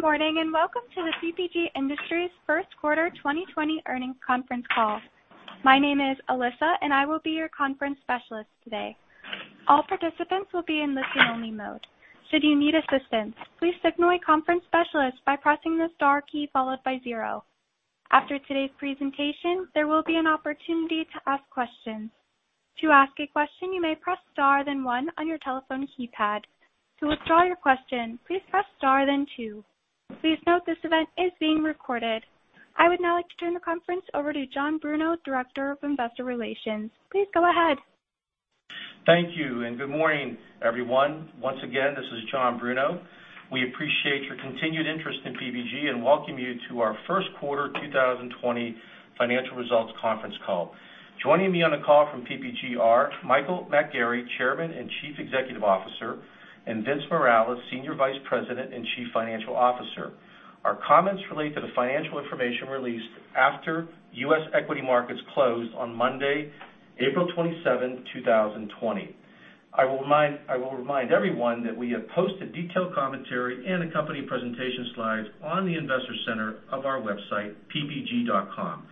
Morning, and welcome to the PPG Industries first quarter 2020 earnings conference call. My name is Alyssa, and I will be your conference specialist today. All participants will be in listen-only mode. Should you need assistance, please signal a conference specialist by pressing the star key followed by zero. After today's presentation, there will be an opportunity to ask questions. To ask a question, you may press star then one on your telephone keypad. To withdraw your question, please press star then two. Please note this event is being recorded. I would now like to turn the conference over to John Bruno, Director of Investor Relations. Please go ahead. Thank you. Good morning, everyone. Once again, this is John Bruno. We appreciate your continued interest in PPG and welcome you to our first quarter 2020 financial results conference call. Joining me on the call from PPG are Michael McGarry, Chairman and Chief Executive Officer, and Vince Morales, Senior Vice President and Chief Financial Officer. Our comments relate to the financial information released after U.S. equity markets closed on Monday, April 27th, 2020. I will remind everyone that we have posted detailed commentary and accompanying presentation slides on the investor center of our website, ppg.com.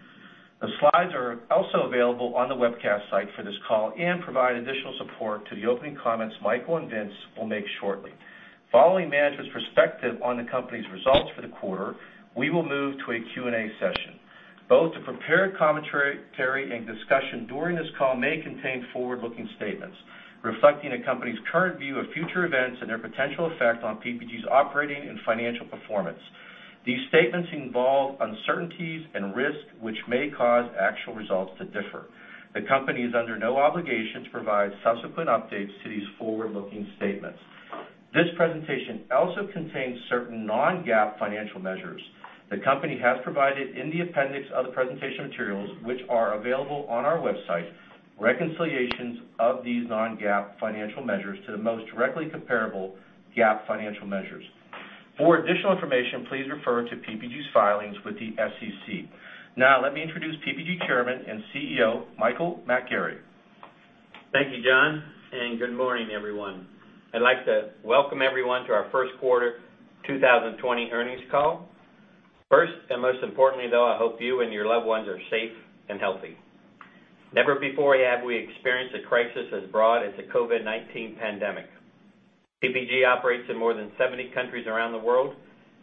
The slides are also available on the webcast site for this call and provide additional support to the opening comments Michael and Vince will make shortly. Following management's perspective on the company's results for the quarter, we will move to a Q&A session. Both the prepared commentary and discussion during this call may contain forward-looking statements reflecting the company's current view of future events and their potential effect on PPG's operating and financial performance. These statements involve uncertainties and risks which may cause actual results to differ. The company is under no obligation to provide subsequent updates to these forward-looking statements. This presentation also contains certain non-GAAP financial measures. The company has provided in the appendix of the presentation materials, which are available on our website, reconciliations of these non-GAAP financial measures to the most directly comparable GAAP financial measures. For additional information, please refer to PPG's filings with the SEC. Now, let me introduce PPG Chairman and CEO, Michael McGarry. Thank you, John. Good morning, everyone. I'd like to welcome everyone to our first quarter 2020 earnings call. First, most importantly, though, I hope you and your loved ones are safe and healthy. Never before have we experienced a crisis as broad as the COVID-19 pandemic. PPG operates in more than 70 countries around the world,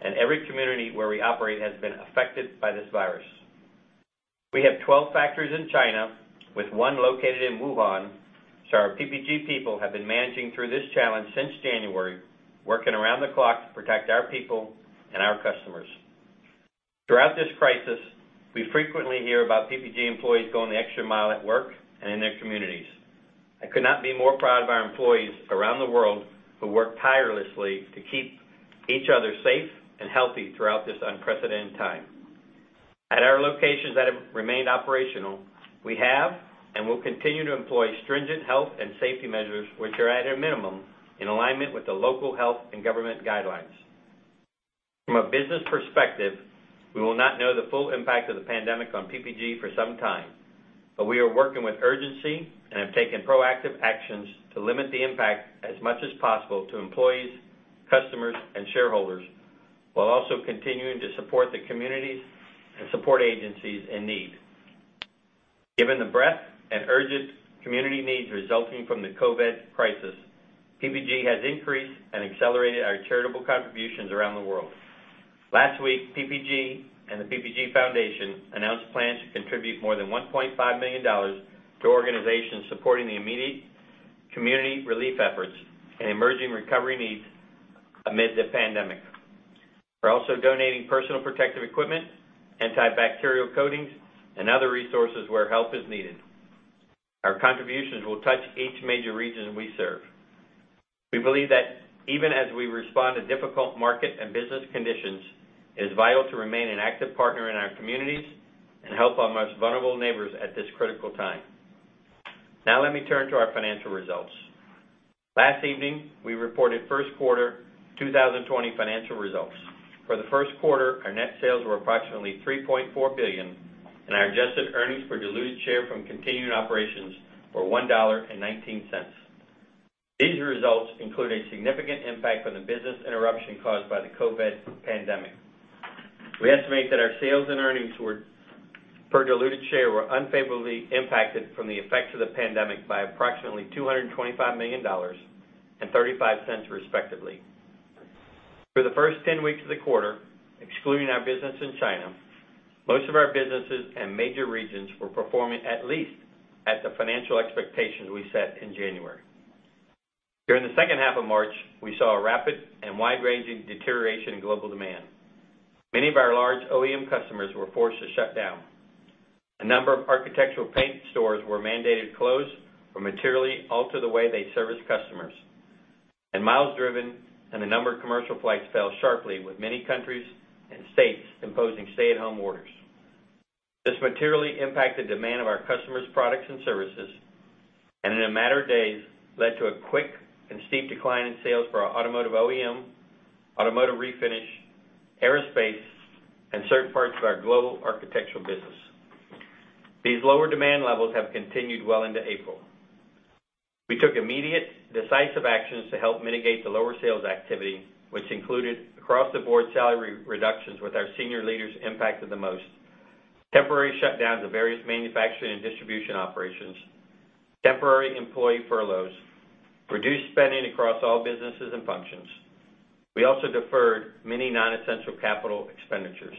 and every community where we operate has been affected by this virus. We have 12 factories in China, with one located in Wuhan. Our PPG people have been managing through this challenge since January, working around the clock to protect our people and our customers. Throughout this crisis, we frequently hear about PPG employees going the extra mile at work and in their communities. I could not be more proud of our employees around the world who work tirelessly to keep each other safe and healthy throughout this unprecedented time. At our locations that have remained operational, we have and will continue to employ stringent health and safety measures which are at a minimum in alignment with the local health and government guidelines. From a business perspective, we will not know the full impact of the pandemic on PPG for some time. We are working with urgency and have taken proactive actions to limit the impact as much as possible to employees, customers, and shareholders, while also continuing to support the communities and support agencies in need. Given the breadth and urgent community needs resulting from the COVID-19 crisis, PPG has increased and accelerated our charitable contributions around the world. Last week, PPG and the PPG Foundation announced plans to contribute more than $1.5 million to organizations supporting the immediate community relief efforts and emerging recovery needs amid the pandemic. We're also donating personal protective equipment, antibacterial coatings, and other resources where help is needed. Our contributions will touch each major region we serve. We believe that even as we respond to difficult market and business conditions, it is vital to remain an active partner in our communities and help our most vulnerable neighbors at this critical time. Now let me turn to our financial results. Last evening, we reported first quarter 2020 financial results. For the first quarter, our net sales were approximately $3.4 billion, and our adjusted earnings per diluted share from continuing operations were $1.19. These results include a significant impact from the business interruption caused by the COVID-19 pandemic. We estimate that our sales and earnings per diluted share were unfavorably impacted from the effects of the pandemic by approximately $225 million and $0.35, respectively. For the first 10 weeks of the quarter, excluding our business in China, most of our businesses and major regions were performing at least at the financial expectations we set in January. During the second half of March, we saw a rapid and wide-ranging deterioration in global demand. Many of our large OEM customers were forced to shut down. A number of architectural paint stores were mandated closed or materially alter the way they service customers. Miles driven and the number of commercial flights fell sharply with many countries and states imposing stay-at-home orders. This materially impacted demand of our customers' products and services, and in a matter of days, led to a quick and steep decline in sales for our automotive OEM, automotive refinish, aerospace, and certain parts of our global architectural business. These lower demand levels have continued well into April. We took immediate decisive actions to help mitigate the lower sales activity, which included across the board salary reductions with our senior leaders impacted the most, temporary shutdowns of various manufacturing and distribution operations, temporary employee furloughs, reduced spending across all businesses and functions. We also deferred many non-essential capital expenditures.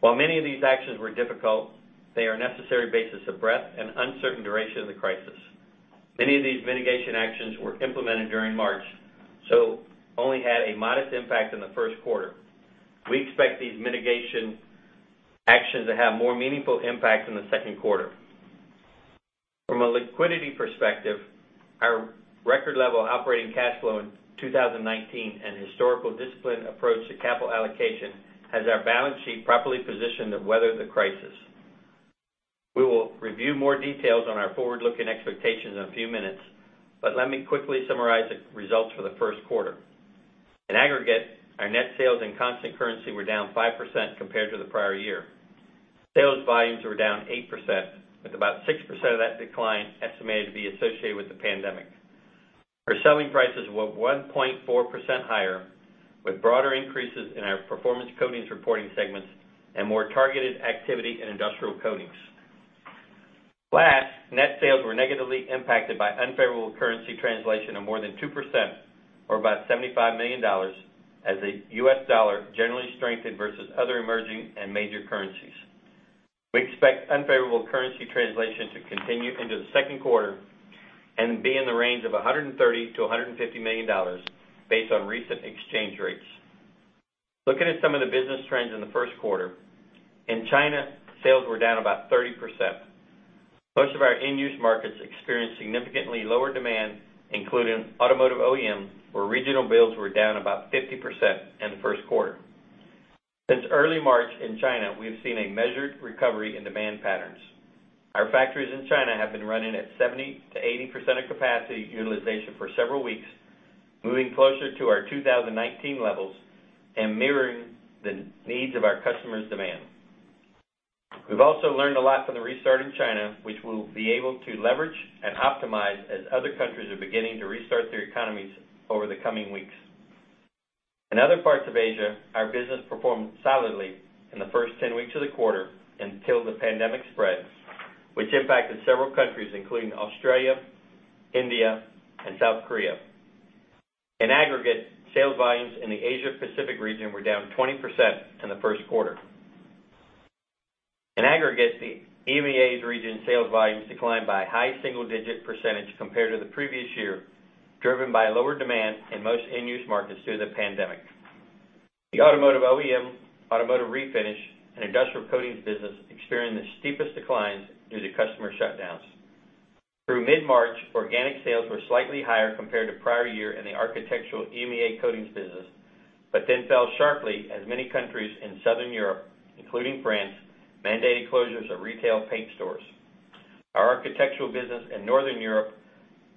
While many of these actions were difficult, they are a necessary basis of breadth and uncertain duration of the crisis. Many of these mitigation actions were implemented during March, so only had a modest impact in the first quarter. We expect these mitigation actions to have more meaningful impact in the second quarter. From a liquidity perspective, our record level operating cash flow in 2019 and historical disciplined approach to capital allocation has our balance sheet properly positioned to weather the crisis. We will review more details on our forward-looking expectations in a few minutes, but let me quickly summarize the results for the first quarter. In aggregate, our net sales and constant currency were down 5% compared to the prior year. Sales volumes were down 8%, with about 6% of that decline estimated to be associated with the pandemic. Our selling prices were 1.4% higher, with broader increases in our Performance Coatings reporting segments and more targeted activity in Industrial Coatings. Last, net sales were negatively impacted by unfavorable currency translation of more than 2%, or about $75 million, as the US dollar generally strengthened versus other emerging and major currencies. We expect unfavorable currency translation to continue into the second quarter and be in the range of $130 million-$150 million based on recent exchange rates. Looking at some of the business trends in the first quarter, in China, sales were down about 30%. Most of our end-use markets experienced significantly lower demand, including automotive OEM, where regional builds were down about 50% in the first quarter. Since early March in China, we have seen a measured recovery in demand patterns. Our factories in China have been running at 70%-80% of capacity utilization for several weeks, moving closer to our 2019 levels and mirroring the needs of our customers' demand. We've also learned a lot from the restart in China, which we'll be able to leverage and optimize as other countries are beginning to restart their economies over the coming weeks. In other parts of Asia, our business performed solidly in the first 10 weeks of the quarter until the pandemic spread, which impacted several countries including Australia, India, and South Korea. In aggregate, sales volumes in the Asia-Pacific region were down 20% in the first quarter. In aggregate, the EMEA region sales volumes declined by a high single-digit percentage compared to the previous year, driven by lower demand in most end-use markets due to the pandemic. The automotive OEM, automotive refinish, and industrial coatings business experienced the steepest declines due to customer shutdowns. Through mid-March, organic sales were slightly higher compared to prior year in the architectural EMEA coatings business, but then fell sharply as many countries in Southern Europe, including France, mandated closures of retail paint stores. Our architectural business in Northern Europe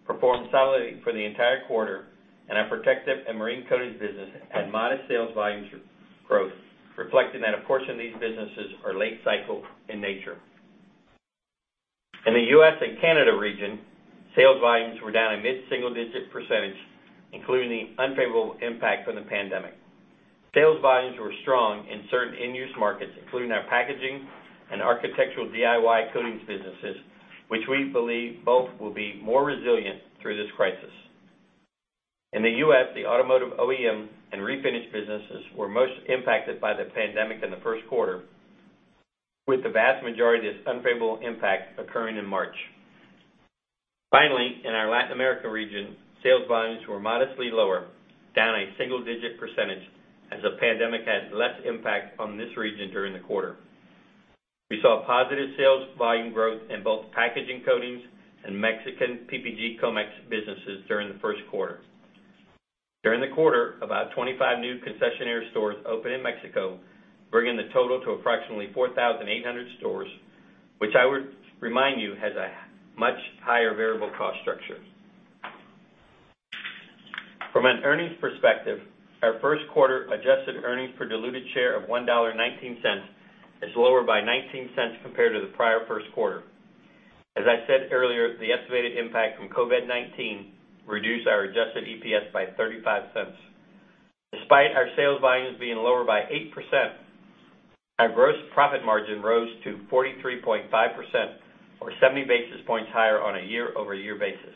performed solidly for the entire quarter, and our protective and marine coatings business had modest sales volumes growth, reflecting that a portion of these businesses are late cycle in nature. In the U.S. and Canada region, sales volumes were down a mid-single digit percentage, including the unfavorable impact from the pandemic. Sales volumes were strong in certain end-use markets, including our packaging and architectural DIY coatings businesses, which we believe both will be more resilient through this crisis. In the U.S., the automotive OEM and refinish businesses were most impacted by the pandemic in the first quarter, with the vast majority of this unfavorable impact occurring in March. Finally, in our Latin America region, sales volumes were modestly lower, down a single digit percentage, as the pandemic had less impact on this region during the quarter. We saw positive sales volume growth in both packaging coatings and Mexican PPG Comex businesses during the first quarter. During the quarter, about 25 new concessionaire stores opened in Mexico, bringing the total to approximately 4,800 stores, which I would remind you has a much higher variable cost structure. From an earnings perspective, our first-quarter adjusted earnings per diluted share of $1.19 is lower by $0.19 compared to the prior first quarter. As I said earlier, the estimated impact from COVID-19 reduced our adjusted EPS by $0.35. Despite our sales volumes being lower by 8%, our gross profit margin rose to 43.5%, or 70 basis points higher on a year-over-year basis.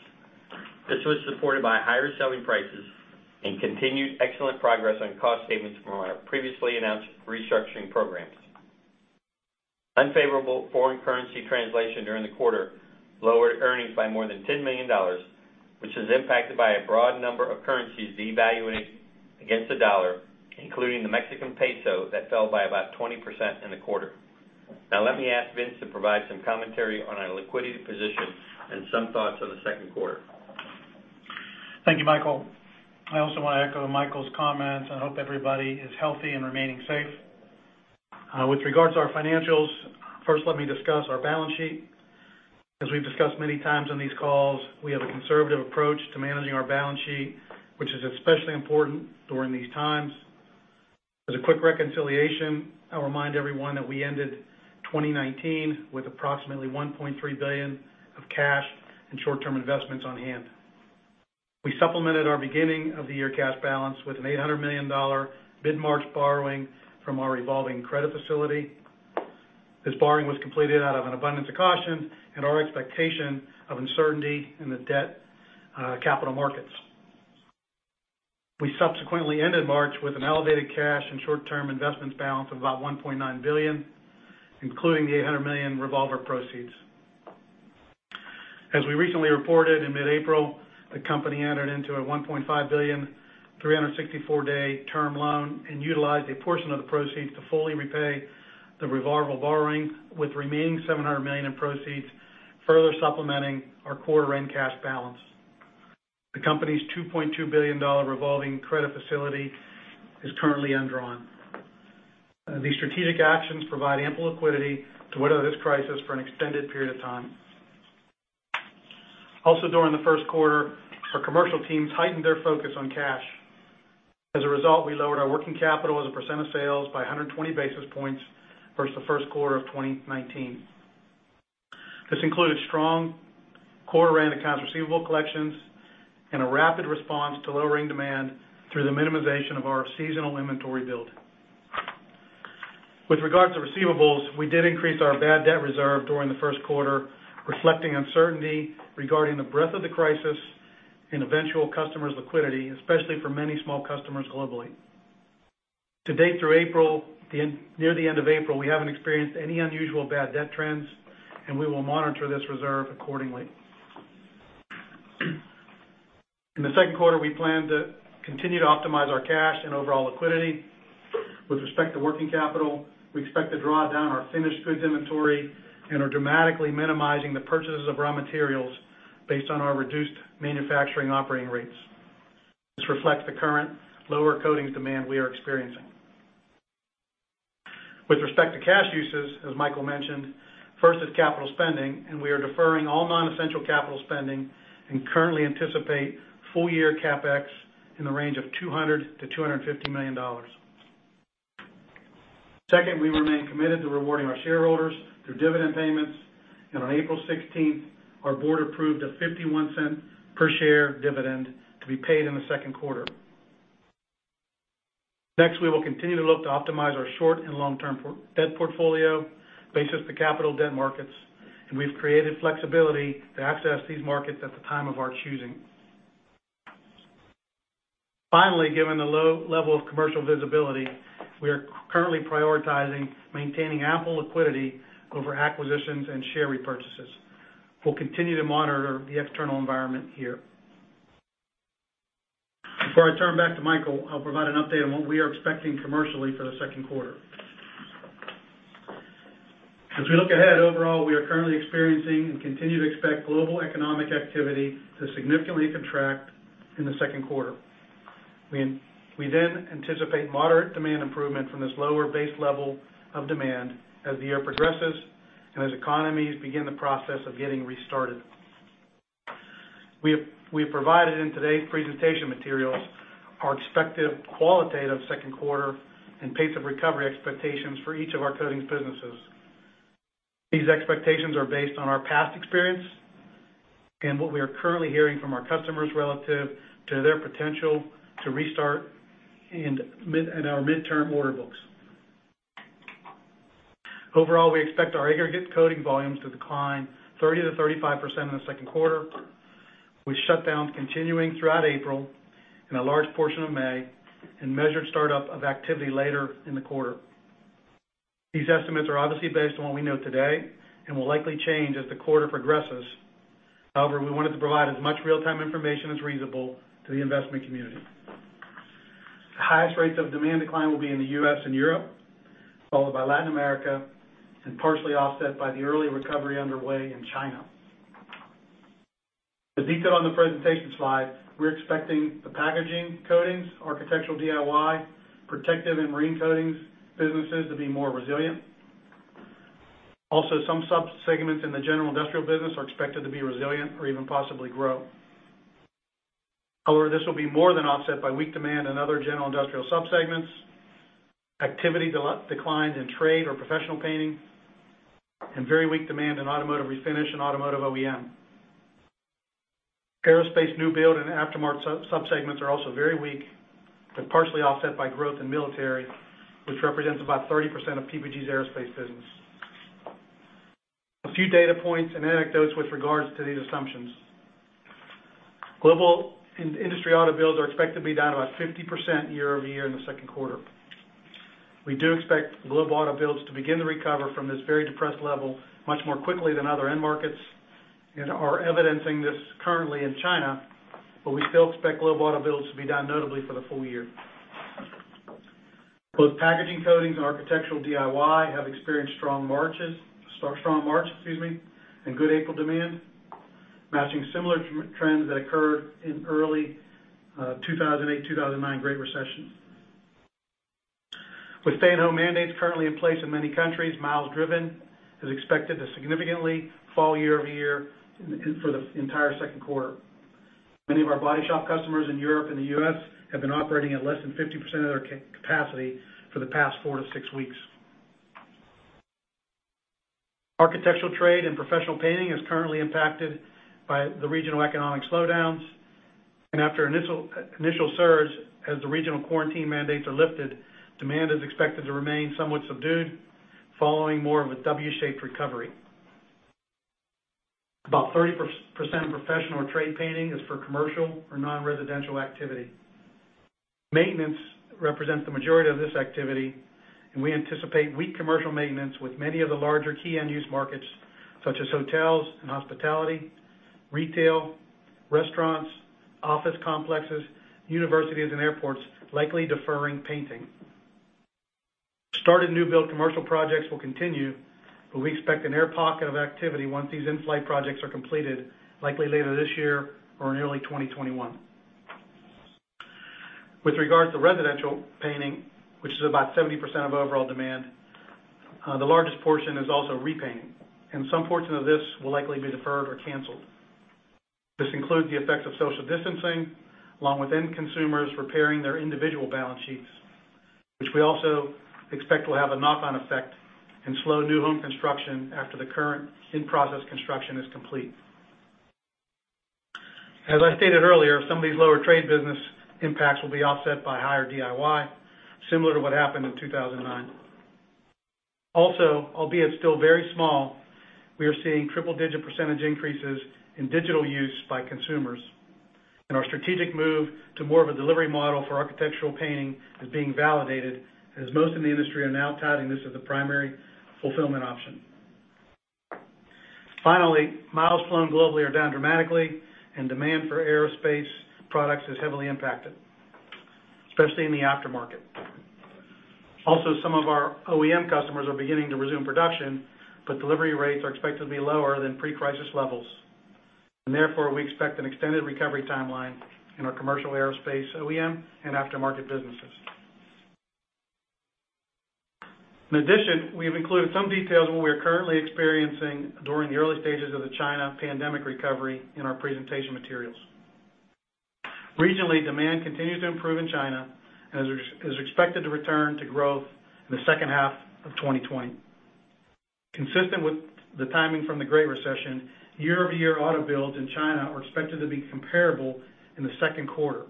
This was supported by higher selling prices and continued excellent progress on cost savings from our previously announced restructuring programs. Unfavorable foreign currency translation during the quarter lowered earnings by more than $10 million, which is impacted by a broad number of currencies devaluating against the dollar, including the Mexican peso that fell by about 20% in the quarter. Now, let me ask Vince to provide some commentary on our liquidity position and some thoughts on the second quarter. Thank you, Michael. I also want to echo Michael's comments and hope everybody is healthy and remaining safe. With regards to our financials, first, let me discuss our balance sheet. As we've discussed many times on these calls, we have a conservative approach to managing our balance sheet, which is especially important during these times. As a quick reconciliation, I'll remind everyone that we ended 2019 with approximately $1.3 billion of cash and short-term investments on hand. We supplemented our beginning of the year cash balance with an $800 million mid-March borrowing from our revolving credit facility. This borrowing was completed out of an abundance of caution and our expectation of uncertainty in the debt capital markets. We subsequently ended March with an elevated cash and short-term investments balance of about $1.9 billion, including the $800 million revolver proceeds. As we recently reported in mid-April, the company entered into a $1.5 billion, 364-day term loan and utilized a portion of the proceeds to fully repay the revolver borrowing with remaining $700 million in proceeds, further supplementing our quarter-end cash balance. The company's $2.2 billion revolving credit facility is currently undrawn. These strategic actions provide ample liquidity to weather this crisis for an extended period of time. Also during the first quarter, our commercial teams heightened their focus on cash. As a result, we lowered our working capital as a % of sales by 120 basis points versus the first quarter of 2019. This included strong quarter-end accounts receivable collections and a rapid response to lowering demand through the minimization of our seasonal inventory build. With regard to receivables, we did increase our bad debt reserve during the first quarter, reflecting uncertainty regarding the breadth of the crisis and eventual customers' liquidity, especially for many small customers globally. To date through near the end of April, we haven't experienced any unusual bad debt trends, and we will monitor this reserve accordingly. In the second quarter, we plan to continue to optimize our cash and overall liquidity. With respect to working capital, we expect to draw down our finished goods inventory and are dramatically minimizing the purchases of raw materials based on our reduced manufacturing operating rates. This reflects the current lower coatings demand we are experiencing. With respect to cash uses, as Michael mentioned, first is capital spending, and we are deferring all non-essential capital spending and currently anticipate full year CapEx in the range of $200 million-$250 million. Second, we remain committed to rewarding our shareholders through dividend payments, and on April 16th, our board approved a $0.51 per share dividend to be paid in the second quarter. Next, we will continue to look to optimize our short and long-term debt portfolio based off the capital debt markets, and we've created flexibility to access these markets at the time of our choosing. Finally, given the low level of commercial visibility, we are currently prioritizing maintaining ample liquidity over acquisitions and share repurchases. We'll continue to monitor the external environment here. Before I turn back to Michael, I'll provide an update on what we are expecting commercially for the second quarter. As we look ahead overall, we are currently experiencing and continue to expect global economic activity to significantly contract in the second quarter. We anticipate moderate demand improvement from this lower base level of demand as the year progresses and as economies begin the process of getting restarted. We have provided in today's presentation materials our expected qualitative second quarter and pace of recovery expectations for each of our coatings businesses. These expectations are based on our past experience and what we are currently hearing from our customers relative to their potential to restart and our midterm order books. Overall, we expect our aggregate coating volumes to decline 30%-35% in the second quarter, with shutdowns continuing throughout April and a large portion of May, and measured startup of activity later in the quarter. These estimates are obviously based on what we know today and will likely change as the quarter progresses. We wanted to provide as much real-time information as reasonable to the investment community. The highest rates of demand decline will be in the U.S. and Europe, followed by Latin America, and partially offset by the early recovery underway in China. To detail on the presentation slide, we're expecting the packaging coatings, architectural DIY, protective and marine coatings businesses to be more resilient. Some subsegments in the general industrial business are expected to be resilient or even possibly grow. This will be more than offset by weak demand in other general industrial subsegments, activity declines in trade or professional painting, and very weak demand in automotive refinish and automotive OEM. Aerospace new build and aftermarket subsegments are also very weak, but partially offset by growth in military, which represents about 30% of PPG's aerospace business. A few data points and anecdotes with regards to these assumptions. Global industry auto builds are expected to be down about 50% year-over-year in the second quarter. We do expect global auto builds to begin to recover from this very depressed level much more quickly than other end markets and are evidencing this currently in China, but we still expect global auto builds to be down notably for the full year. Both packaging coatings and architectural DIY have experienced strong March and good April demand, matching similar trends that occurred in early 2008-2009 Great Recession. With stay-at-home mandates currently in place in many countries, miles driven is expected to significantly fall year-over-year for the entire second quarter. Many of our body shop customers in Europe and the U.S. have been operating at less than 50% of their capacity for the past four to six weeks. Architectural trade and professional painting is currently impacted by the regional economic slowdowns, and after initial surge, as the regional quarantine mandates are lifted, demand is expected to remain somewhat subdued following more of a W-shaped recovery. About 30% of professional trade painting is for commercial or non-residential activity. Maintenance represents the majority of this activity, and we anticipate weak commercial maintenance with many of the larger key end use markets, such as hotels and hospitality, retail, restaurants, office complexes, universities, and airports likely deferring painting. Started new build commercial projects will continue, but we expect an air pocket of activity once these in-flight projects are completed, likely later this year or in early 2021. With regard to residential painting, which is about 70% of overall demand, the largest portion is also repainting, and some portion of this will likely be deferred or canceled. This includes the effects of social distancing, along with end consumers repairing their individual balance sheets, which we also expect will have a knock-on effect and slow new home construction after the current in-process construction is complete. Albeit still very small, we are seeing triple-digit % increases in digital use by consumers. Our strategic move to more of a delivery model for architectural painting is being validated, as most in the industry are now touting this as the primary fulfillment option. Finally, miles flown globally are down dramatically, and demand for aerospace products is heavily impacted, especially in the aftermarket. Some of our OEM customers are beginning to resume production, but delivery rates are expected to be lower than pre-crisis levels. Therefore, we expect an extended recovery timeline in our commercial aerospace, OEM, and aftermarket businesses. In addition, we have included some details on what we are currently experiencing during the early stages of the China pandemic recovery in our presentation materials. Regionally, demand continues to improve in China and is expected to return to growth in the second half of 2020. Consistent with the timing from the Great Recession, year-over-year auto builds in China are expected to be comparable in the second quarter,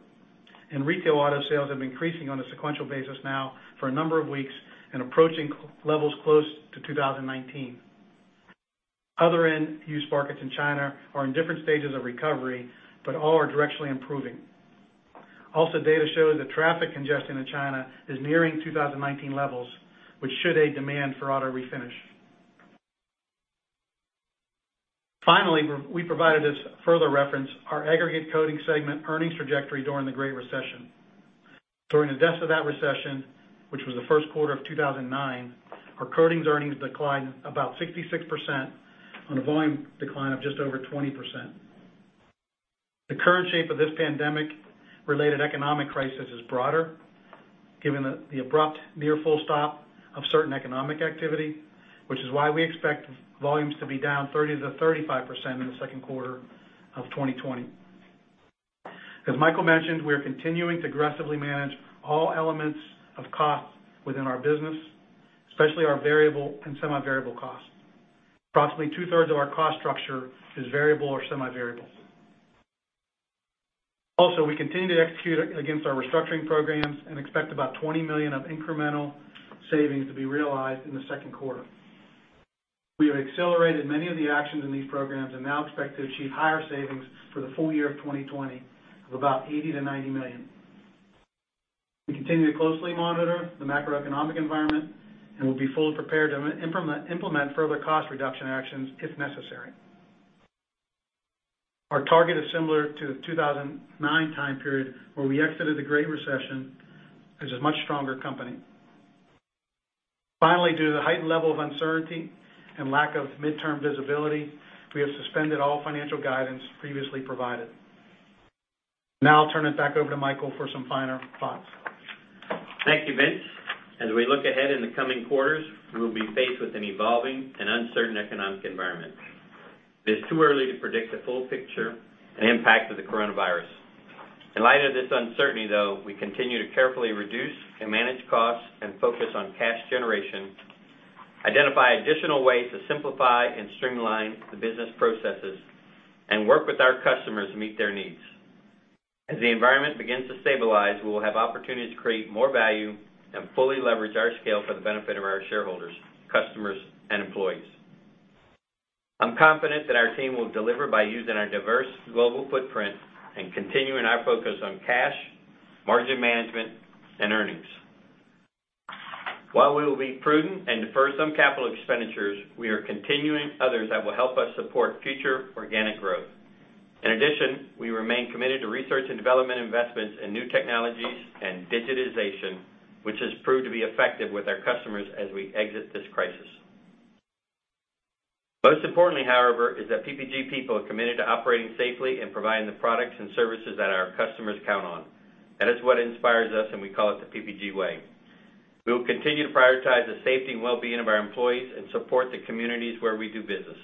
and retail auto sales have been increasing on a sequential basis now for a number of weeks and approaching levels close to 2019. Other end-use markets in China are in different stages of recovery, but all are directionally improving. Also, data shows that traffic congestion in China is nearing 2019 levels, which should aid demand for automotive refinish. Finally, we provided as further reference our aggregate coatings segment earnings trajectory during the Great Recession. During the depths of that recession, which was the first quarter of 2009, our coatings earnings declined about 66% on a volume decline of just over 20%. The current shape of this pandemic-related economic crisis is broader, given the abrupt near full stop of certain economic activity, which is why we expect volumes to be down 30%-35% in the second quarter of 2020. As Michael mentioned, we are continuing to aggressively manage all elements of costs within our business, especially our variable and semi-variable costs. Approximately two-thirds of our cost structure is variable or semi-variable. Also, we continue to execute against our restructuring programs and expect about $20 million of incremental savings to be realized in the second quarter. We have accelerated many of the actions in these programs and now expect to achieve higher savings for the full year of 2020 of about $80 million-$90 million. We continue to closely monitor the macroeconomic environment and will be fully prepared to implement further cost reduction actions if necessary. Our target is similar to the 2009 time period, where we exited the Great Recession as a much stronger company. Finally, due to the heightened level of uncertainty and lack of midterm visibility, we have suspended all financial guidance previously provided. Now I'll turn it back over to Michael for some final thoughts. Thank you, Vince. As we look ahead in the coming quarters, we will be faced with an evolving and uncertain economic environment. It is too early to predict the full picture and impact of the coronavirus. In light of this uncertainty, though, we continue to carefully reduce and manage costs and focus on cash generation, identify additional ways to simplify and streamline the business processes, and work with our customers to meet their needs. As the environment begins to stabilize, we will have opportunities to create more value and fully leverage our scale for the benefit of our shareholders, customers, and employees. I'm confident that our team will deliver by using our diverse global footprint and continuing our focus on cash, margin management, and earnings. While we will be prudent and defer some capital expenditures, we are continuing others that will help us support future organic growth. In addition, we remain committed to research and development investments in new technologies and digitization, which has proved to be effective with our customers as we exit this crisis. Most importantly, however, is that PPG people are committed to operating safely and providing the products and services that our customers count on. That is what inspires us, and we call it The PPG Way. We will continue to prioritize the safety and well-being of our employees and support the communities where we do business.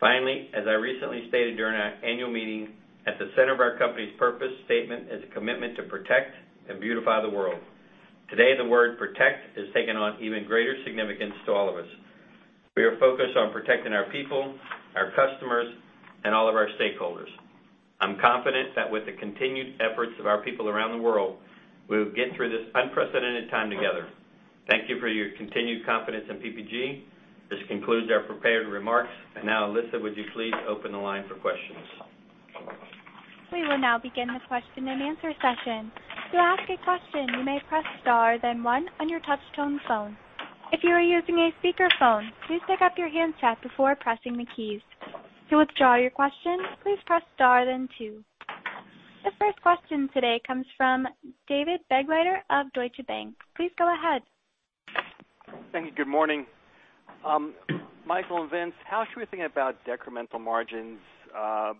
Finally, as I recently stated during our annual meeting, at the center of our company's purpose statement is a commitment to protect and beautify the world. Today, the word protect has taken on even greater significance to all of us. We are focused on protecting our people, our customers, and all of our stakeholders. I'm confident that with the continued efforts of our people around the world, we will get through this unprecedented time together. Thank you for your continued confidence in PPG. This concludes our prepared remarks. Now, Alyssa, would you please open the line for questions? We will now begin the question and answer session. To ask a question, you may press star then one on your touchtone phone. If you are using a speakerphone, please pick up your handset before pressing the keys. To withdraw your question, please press star then two. The first question today comes from David Begleiter of Deutsche Bank. Please go ahead. Thank you. Good morning. Michael and Vince, how should we think about decremental margins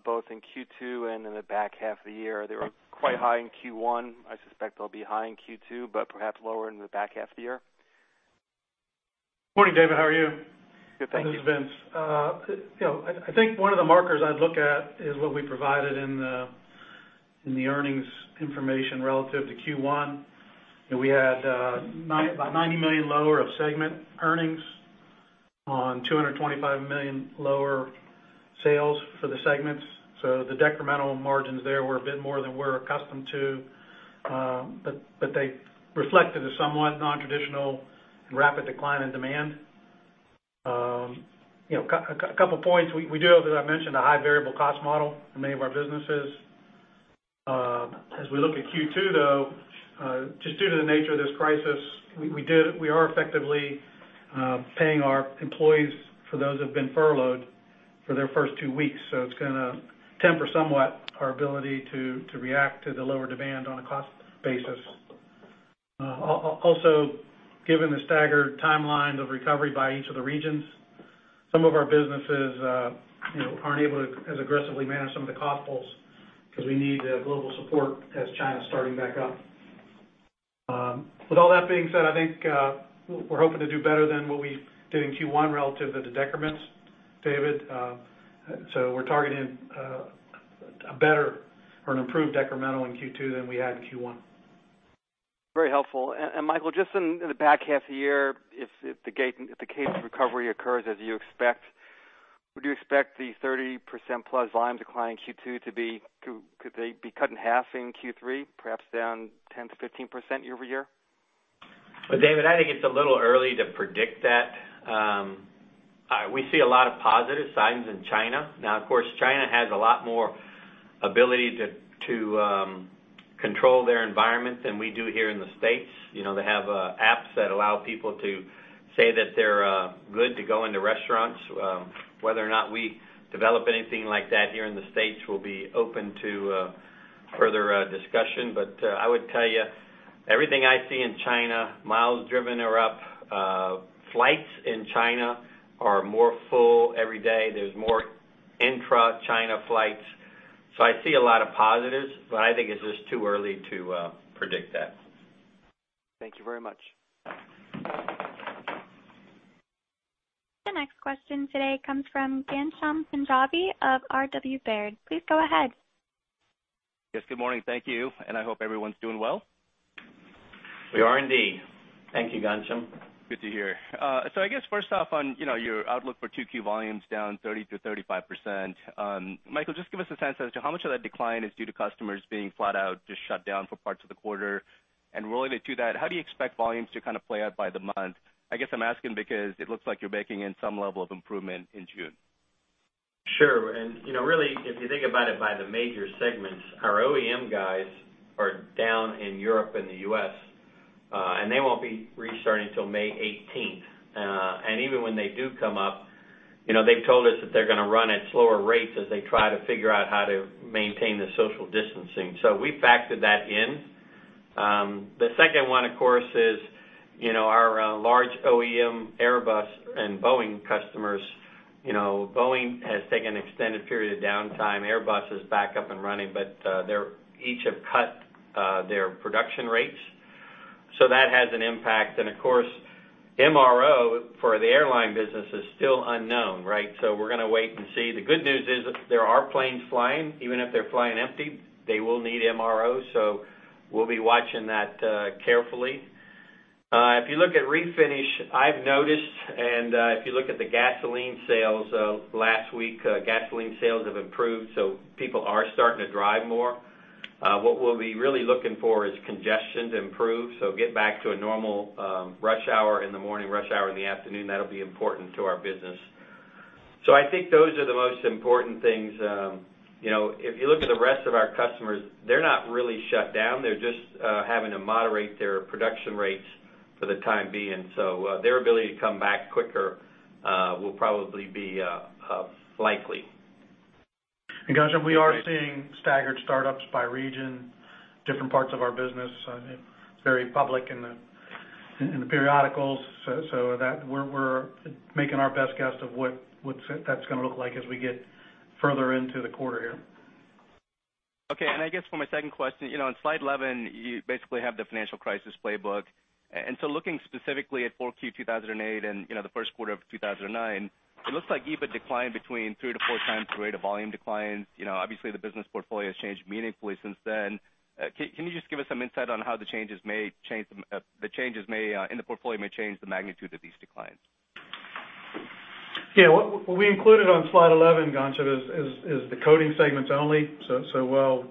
both in Q2 and in the back half of the year? They were quite high in Q1. I suspect they'll be high in Q2, perhaps lower in the back half of the year. Morning, David. How are you? Good, thank you. This is Vince. I think one of the markers I'd look at is what we provided in the earnings information relative to Q1. We had about $90 million lower of segment earnings on $225 million lower sales for the segments. The decremental margins there were a bit more than we're accustomed to. They reflected a somewhat non-traditional and rapid decline in demand. A couple points. We do have, as I mentioned, a high variable cost model in many of our businesses. As we look at Q2, though, just due to the nature of this crisis, we are effectively paying our employees for those who've been furloughed for their first two weeks. It's going to temper somewhat our ability to react to the lower demand on a cost basis. Also, given the staggered timeline of recovery by each of the regions, some of our businesses aren't able to as aggressively manage some of the cost pools because we need global support as China's starting back up. With all that being said, I think we're hoping to do better than what we did in Q1 relative to the decrements, David. We're targeting a better or an improved decremental in Q2 than we had in Q1. Very helpful. Michael, just in the back half of the year, if the case of recovery occurs as you expect, would you expect the 30%+ volume decline in Q2, could they be cut in half in Q3, perhaps down 10%-15% year-over-year? Well, David, I think it's a little early to predict that. We see a lot of positive signs in China. Of course, China has a lot more ability to control their environment than we do here in the U.S. They have apps that allow people to say that they're good to go into restaurants. Whether or not we develop anything like that here in the U.S. will be open to further discussion. I would tell you, everything I see in China, miles driven are up. Flights in China are more full every day. There's more intra-China flights. I see a lot of positives, but I think it's just too early to predict that. Thank you very much. The next question today comes from Ghansham Panjabi of R.W. Baird. Please go ahead. Yes, good morning. Thank you. I hope everyone's doing well. We are indeed. Thank you, Ghansham. Good to hear. I guess first off on your outlook for 2Q volumes down 30%-35%. Michael, just give us a sense as to how much of that decline is due to customers being flat out just shut down for parts of the quarter. Related to that, how do you expect volumes to kind of play out by the month? I guess I'm asking because it looks like you're baking in some level of improvement in June. Sure. Really, if you think about it by the major segments, our OEM guys are down in Europe and the U.S., and they won't be restarting till May 18th. Even when they do come up, they've told us that they're going to run at slower rates as they try to figure out how to maintain the social distancing. The second one, of course, is our large OEM Airbus and Boeing customers. Boeing has taken an extended period of downtime. Airbus is back up and running, they each have cut their production rates. That has an impact. Of course, MRO for the airline business is still unknown, right? We're going to wait and see. The good news is there are planes flying. Even if they're flying empty, they will need MRO. We'll be watching that carefully. If you look at Refinish, I've noticed, and if you look at the gasoline sales of last week, gasoline sales have improved. People are starting to drive more. What we'll be really looking for is congestion to improve. Get back to a normal rush hour in the morning, rush hour in the afternoon. That'll be important to our business. I think those are the most important things. If you look at the rest of our customers, they're not really shut down. They're just having to moderate their production rates for the time being. Their ability to come back quicker will probably be likely. Ghansham, we are seeing staggered startups by region, different parts of our business. It's very public in the periodicals. We're making our best guess of what that's going to look like as we get further into the quarter here. Okay. I guess for my second question, on slide 11, you basically have the financial crisis playbook. Looking specifically at 4Q 2008, and the first quarter of 2009, it looks like EBIT declined between three to four times the rate of volume declines. Obviously, the business portfolio has changed meaningfully since then. Can you just give us some insight on how the changes in the portfolio may change the magnitude of these declines? Yeah. What we included on slide 11, Ghansham, is the coating segments only, while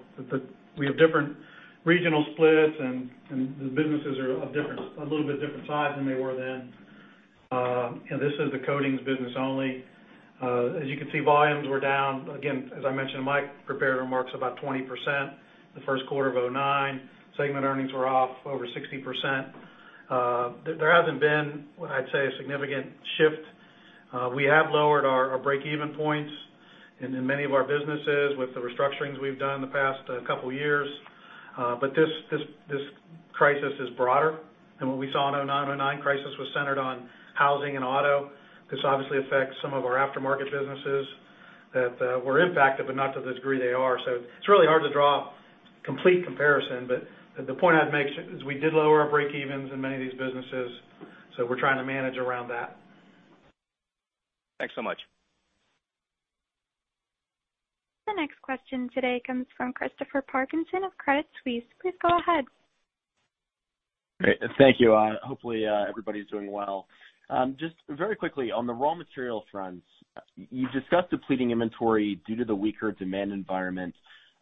we have different regional splits and the businesses are a little bit different size than they were then. This is the coatings business only. As you can see, volumes were down, again, as I mentioned in my prepared remarks, about 20% the first quarter of 2009. Segment earnings were off over 60%. There hasn't been, what I'd say, a significant shift. We have lowered our break-even points, and in many of our businesses with the restructurings we've done in the past couple of years. This crisis is broader than what we saw in 2009. 2009 crisis was centered on housing and auto. This obviously affects some of our aftermarket businesses that were impacted, but not to the degree they are. It's really hard to draw complete comparison, but the point I'd make is we did lower our break-evens in many of these businesses, so we're trying to manage around that. Thanks so much. The next question today comes from Christopher Parkinson of Credit Suisse. Please go ahead. Great. Thank you. Hopefully, everybody's doing well. Just very quickly, on the raw material front, you discussed depleting inventory due to the weaker demand environment.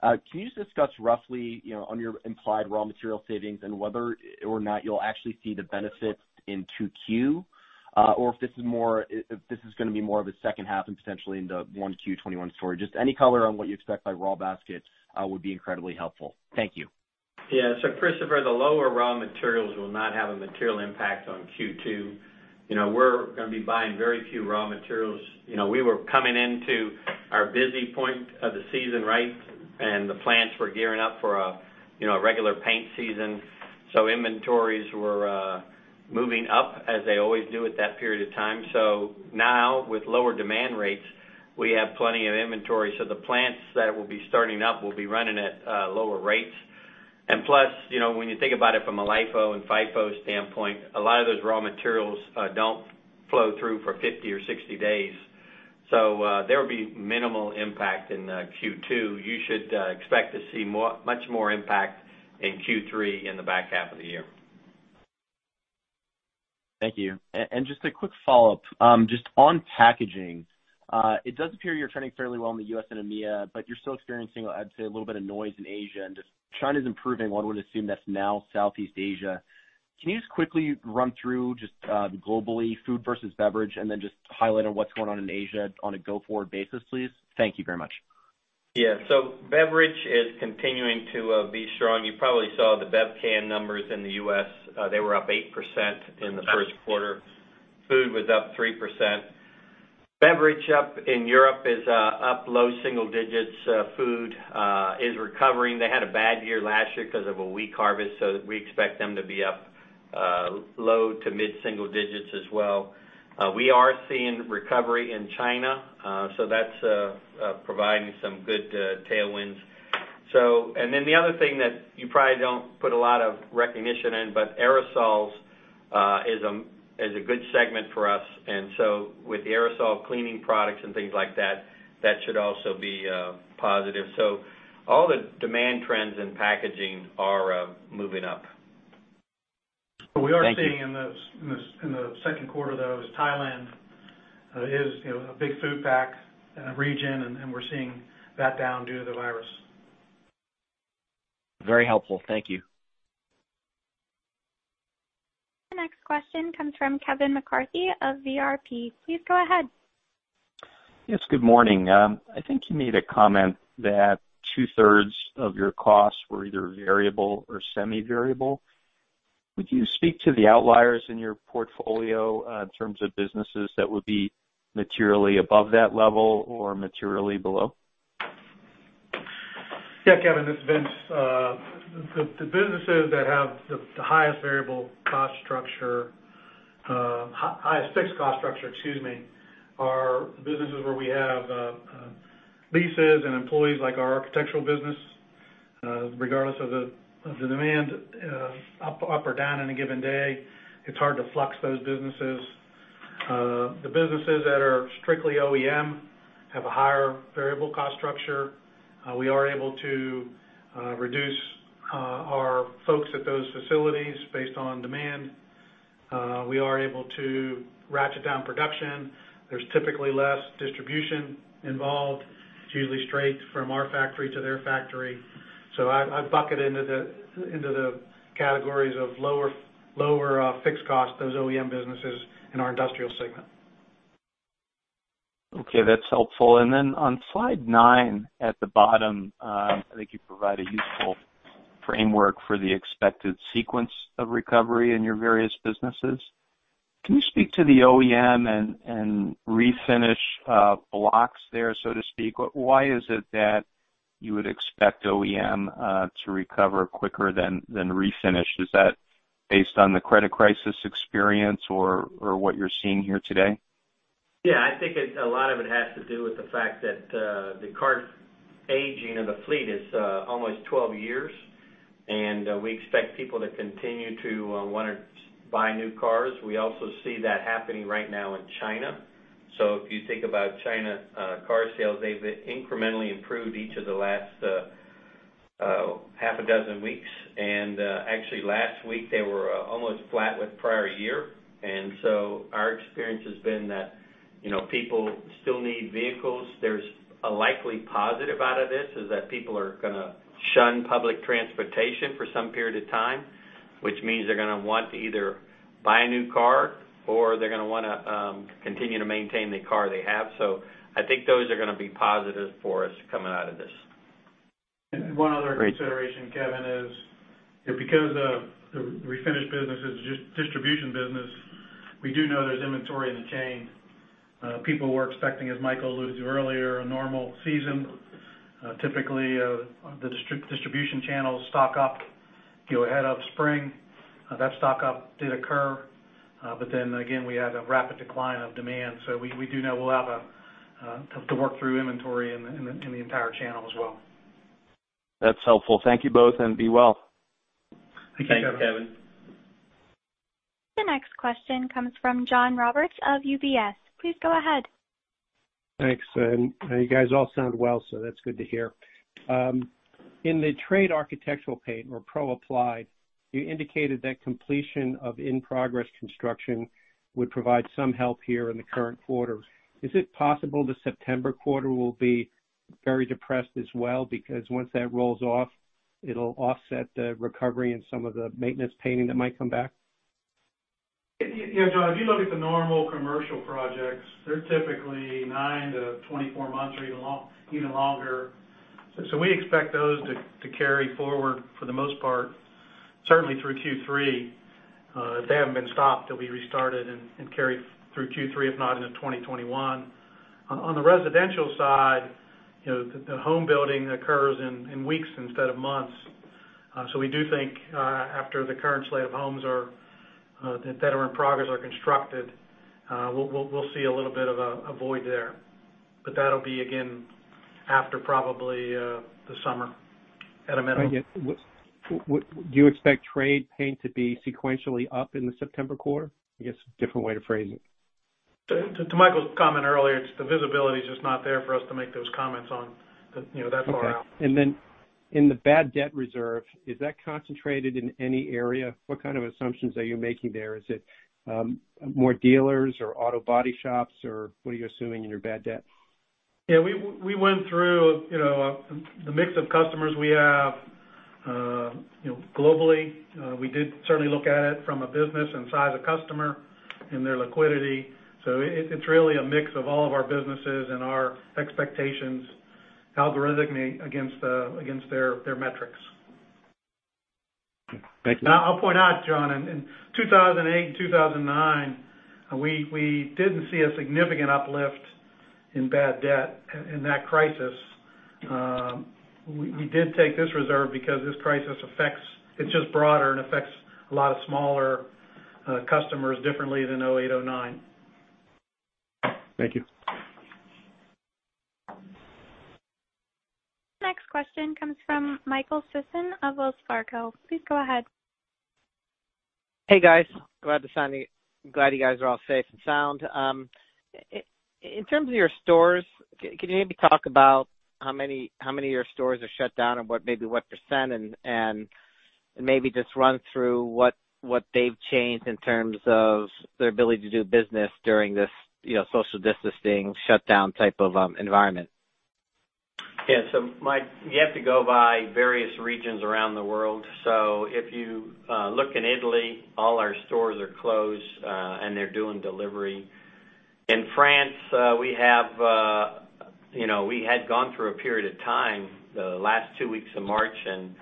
Can you just discuss roughly, on your implied raw material savings and whether or not you'll actually see the benefits in 2Q, or if this is going to be more of a second half and potentially into 1Q 2021 story? Just any color on what you expect by raw basket would be incredibly helpful. Thank you. Christopher, the lower raw materials will not have a material impact on Q2. We're going to be buying very few raw materials. We were coming into our busy point of the season, right? The plants were gearing up for a regular paint season. Inventories were moving up as they always do at that period of time. Now with lower demand rates, we have plenty of inventory. The plants that will be starting up will be running at lower rates. Plus, when you think about it from a LIFO and FIFO standpoint, a lot of those raw materials don't flow through for 50 or 60 days. There will be minimal impact in Q2. You should expect to see much more impact in Q3 in the back half of the year. Thank you. Just a quick follow-up. Just on packaging. It does appear you're trending fairly well in the U.S. and EMEA, but you're still experiencing, I'd say, a little bit of noise in Asia, and just China's improving. One would assume that's now Southeast Asia. Can you just quickly run through just globally food versus beverage, and then just highlight on what's going on in Asia on a go-forward basis, please? Thank you very much. Yeah. Beverage is continuing to be strong. You probably saw the bev can numbers in the U.S. They were up 8% in the first quarter. Food was up 3%. Beverage up in Europe is up low single digits. Food is recovering. They had a bad year last year because of a weak harvest, so we expect them to be up low to mid single digits as well. We are seeing recovery in China, so that's providing some good tailwinds. The other thing that you probably don't put a lot of recognition in, but aerosols is a good segment for us. With the aerosol cleaning products and things like that should also be positive. All the demand trends in packaging are moving up. Thank you. What we are seeing in the second quarter, though, is Thailand is a big food pack region, and we're seeing that down due to the virus. Very helpful. Thank you. The next question comes from Kevin McCarthy of VRP. Please go ahead. Yes, good morning. I think you made a comment that two-thirds of your costs were either variable or semi-variable. Would you speak to the outliers in your portfolio, in terms of businesses that would be materially above that level or materially below? Kevin, this is Vince. The businesses that have the highest fixed cost structure are businesses where we have leases and employees, like our architectural business. Regardless of the demand up or down in a given day, it's hard to flux those businesses. The businesses that are strictly OEM have a higher variable cost structure. We are able to reduce our folks at those facilities based on demand. We are able to ratchet down production. There's typically less distribution involved. It's usually straight from our factory to their factory. I'd bucket into the categories of lower fixed cost, those OEM businesses in our industrial segment. Okay, that's helpful. On slide nine at the bottom, I think you provide a useful framework for the expected sequence of recovery in your various businesses. Can you speak to the OEM and refinish blocks there, so to speak? Why is it that you would expect OEM to recover quicker than refinish? Is that based on the credit crisis experience or what you're seeing here today? I think a lot of it has to do with the fact that the car aging of the fleet is almost 12 years, we expect people to continue to want to buy new cars. We also see that happening right now in China. If you think about China car sales, they've incrementally improved each of the last half a dozen weeks. Actually last week they were almost flat with prior year. Our experience has been that, people still need vehicles. There's a likely positive out of this, is that people are going to shun public transportation for some period of time, which means they're going to want to either buy a new car or they're going to want to continue to maintain the car they have. I think those are going to be positive for us coming out of this. One other consideration, Kevin, is because the refinish business is just distribution business, we do know there's inventory in the chain. People were expecting, as Michael alluded to earlier, a normal season. Typically, the distribution channels stock up ahead of spring. That stock-up did occur. Again, we had a rapid decline of demand. We do know we'll have to work through inventory in the entire channel as well. That's helpful. Thank you both, and be well. Thank you, Kevin. Thank you, Kevin. The next question comes from John Roberts of UBS. Please go ahead. Thanks. You guys all sound well, so that's good to hear. In the trade architectural paint or Pro applied, you indicated that completion of in-progress construction would provide some help here in the current quarter. Is it possible the September quarter will be very depressed as well? Once that rolls off, it'll offset the recovery in some of the maintenance painting that might come back. Yeah, John, if you look at the normal commercial projects, they're typically 9-24 months or even longer. We expect those to carry forward for the most part, certainly through Q3. If they haven't been stopped, they'll be restarted and carried through Q3, if not into 2021. On the residential side, the home building occurs in weeks instead of months. We do think after the current slate of homes that are in progress are constructed, we'll see a little bit of a void there, but that'll be again after probably the summer at a minimum. Do you expect trade paint to be sequentially up in the September quarter? I guess a different way to phrase it. To Michael's comment earlier, the visibility is just not there for us to make those comments on that far out. Okay. In the bad debt reserve, is that concentrated in any area? What kind of assumptions are you making there? Is it more dealers or auto body shops, or what are you assuming in your bad debt? We went through the mix of customers we have globally. We did certainly look at it from a business and size of customer and their liquidity. It's really a mix of all of our businesses and our expectations algorithmically against their metrics. Thank you. I'll point out, John, in 2008 and 2009, we didn't see a significant uplift in bad debt in that crisis. We did take this reserve because this crisis, it's just broader and affects a lot of smaller customers differently than 2008, 2009. Thank you. Next question comes from Michael Sison of Wells Fargo. Please go ahead. Hey, guys. Glad you guys are all safe and sound. In terms of your stores, can you maybe talk about how many of your stores are shut down and maybe what percent, and maybe just run through what they've changed in terms of their ability to do business during this social distancing shutdown type of environment? Yeah. Mike, you have to go by various regions around the world. If you look in Italy, all our stores are closed, and they're doing delivery. In France, we had gone through a period of time the last two weeks of March, and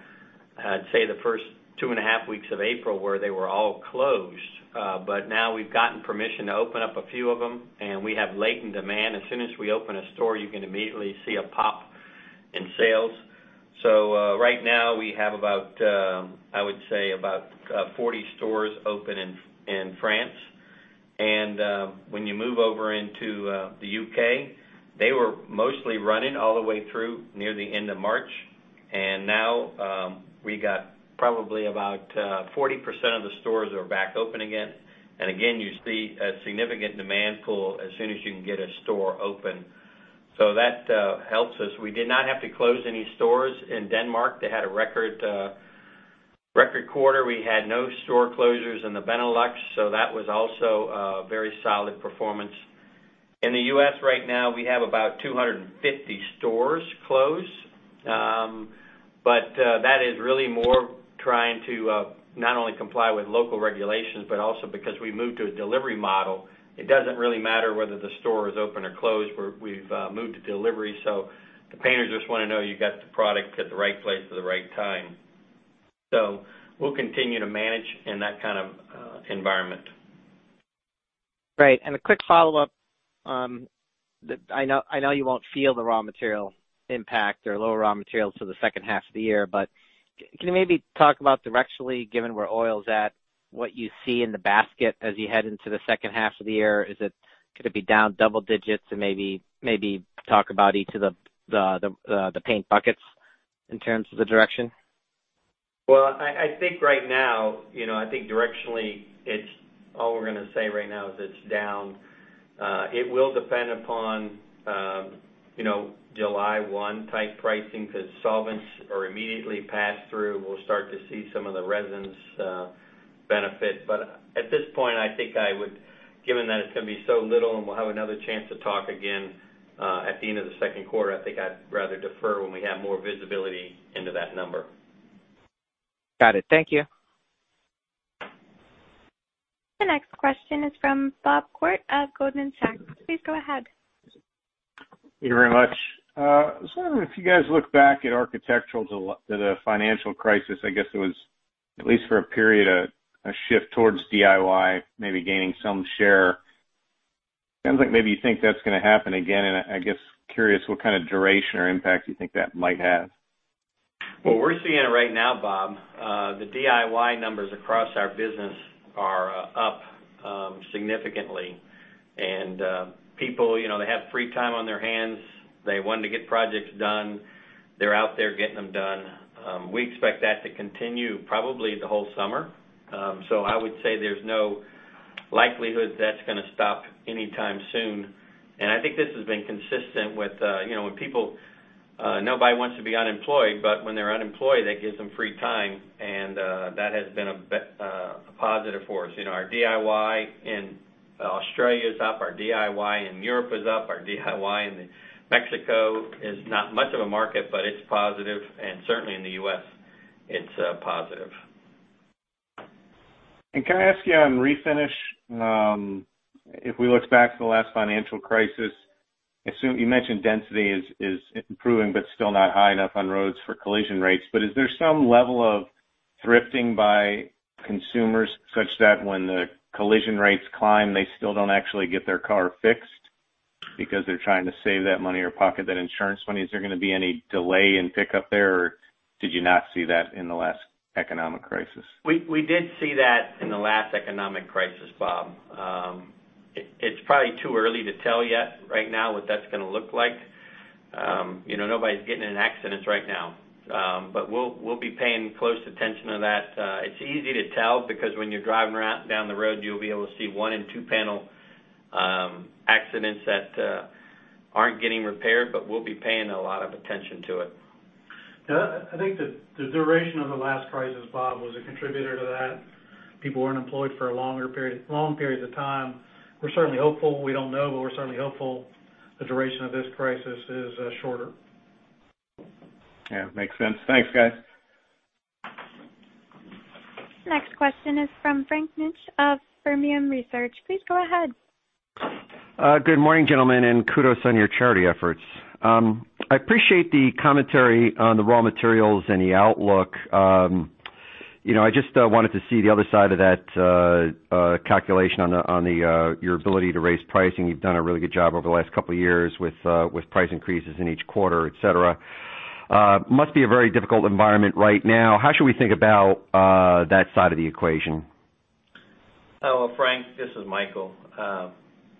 I'd say the first two and a half weeks of April, where they were all closed. Now we've gotten permission to open up a few of them, and we have latent demand. As soon as we open a store, you can immediately see a pop in sales. Right now we have, I would say, about 40 stores open in France. When you move over into the U.K., they were mostly running all the way through near the end of March. Now we got probably about 40% of the stores are back open again. Again, you see a significant demand pull as soon as you can get a store open. That helps us. We did not have to close any stores in Denmark. They had a record quarter. We had no store closures in the Benelux, so that was also a very solid performance. In the U.S. right now, we have about 250 stores closed. That is really more trying to not only comply with local regulations, but also because we moved to a delivery model. It doesn't really matter whether the store is open or closed. We've moved to delivery. The painters just want to know you got the product at the right place at the right time. We'll continue to manage in that kind of environment. Right. A quick follow-up. I know you won't feel the raw material impact or lower raw materials for the second half of the year, but can you maybe talk about directionally, given where oil's at, what you see in the basket as you head into the second half of the year? Could it be down double digits? Maybe talk about each of the paint buckets in terms of the direction. Well, I think right now, directionally, all we're going to say right now is it's down. It will depend upon July 1 type pricing because solvents are immediately passed through. We'll start to see some of the resins benefit. But at this point, given that it's going to be so little and we'll have another chance to talk again, at the end of the second quarter, I think I'd rather defer when we have more visibility into that number. Got it. Thank you. The next question is from Bob Koort of Goldman Sachs. Please go ahead. Thank you very much. I wonder if you guys look back at architectural to the financial crisis, I guess there was, at least for a period, a shift towards DIY, maybe gaining some share. Sounds like maybe you think that's going to happen again, and I guess curious what kind of duration or impact you think that might have. Well, we're seeing it right now, Bob. The DIY numbers across our business are up significantly. People, they have free time on their hands. They're wanting to get projects done. They're out there getting them done. We expect that to continue probably the whole summer. I would say there's no likelihood that's going to stop anytime soon. I think this has been consistent with people, nobody wants to be unemployed, but when they're unemployed, that gives them free time, and that has been a positive force. Our DIY in Australia is up, our DIY in Europe is up, our DIY in Mexico is not much of a market, but it's positive, and certainly in the U.S., it's positive. Can I ask you on Refinish, if we looked back to the last financial crisis, you mentioned density is improving but still not high enough on roads for collision rates. Is there some level of thrifting by consumers such that when the collision rates climb, they still don't actually get their car fixed because they're trying to save that money or pocket that insurance money? Is there going to be any delay in pickup there, or did you not see that in the last economic crisis? We did see that in the last economic crisis, Bob. It's probably too early to tell yet right now what that's going to look like. Nobody's getting in accidents right now. We'll be paying close attention to that. It's easy to tell because when you're driving down the road, you'll be able to see one and two-panel accidents that aren't getting repaired, but we'll be paying a lot of attention to it. I think the duration of the last crisis, Bob, was a contributor to that. People were unemployed for long periods of time. We're certainly hopeful. We don't know, but we're certainly hopeful the duration of this crisis is shorter. Yeah, makes sense. Thanks, guys. Next question is from Frank Mitsch of Fermium Research. Please go ahead. Good morning, gentlemen, and kudos on your charity efforts. I appreciate the commentary on the raw materials and the outlook. I just wanted to see the other side of that calculation on your ability to raise pricing. You've done a really good job over the last couple of years with price increases in each quarter, et cetera. Must be a very difficult environment right now. How should we think about that side of the equation? Hello, Frank, this is Michael.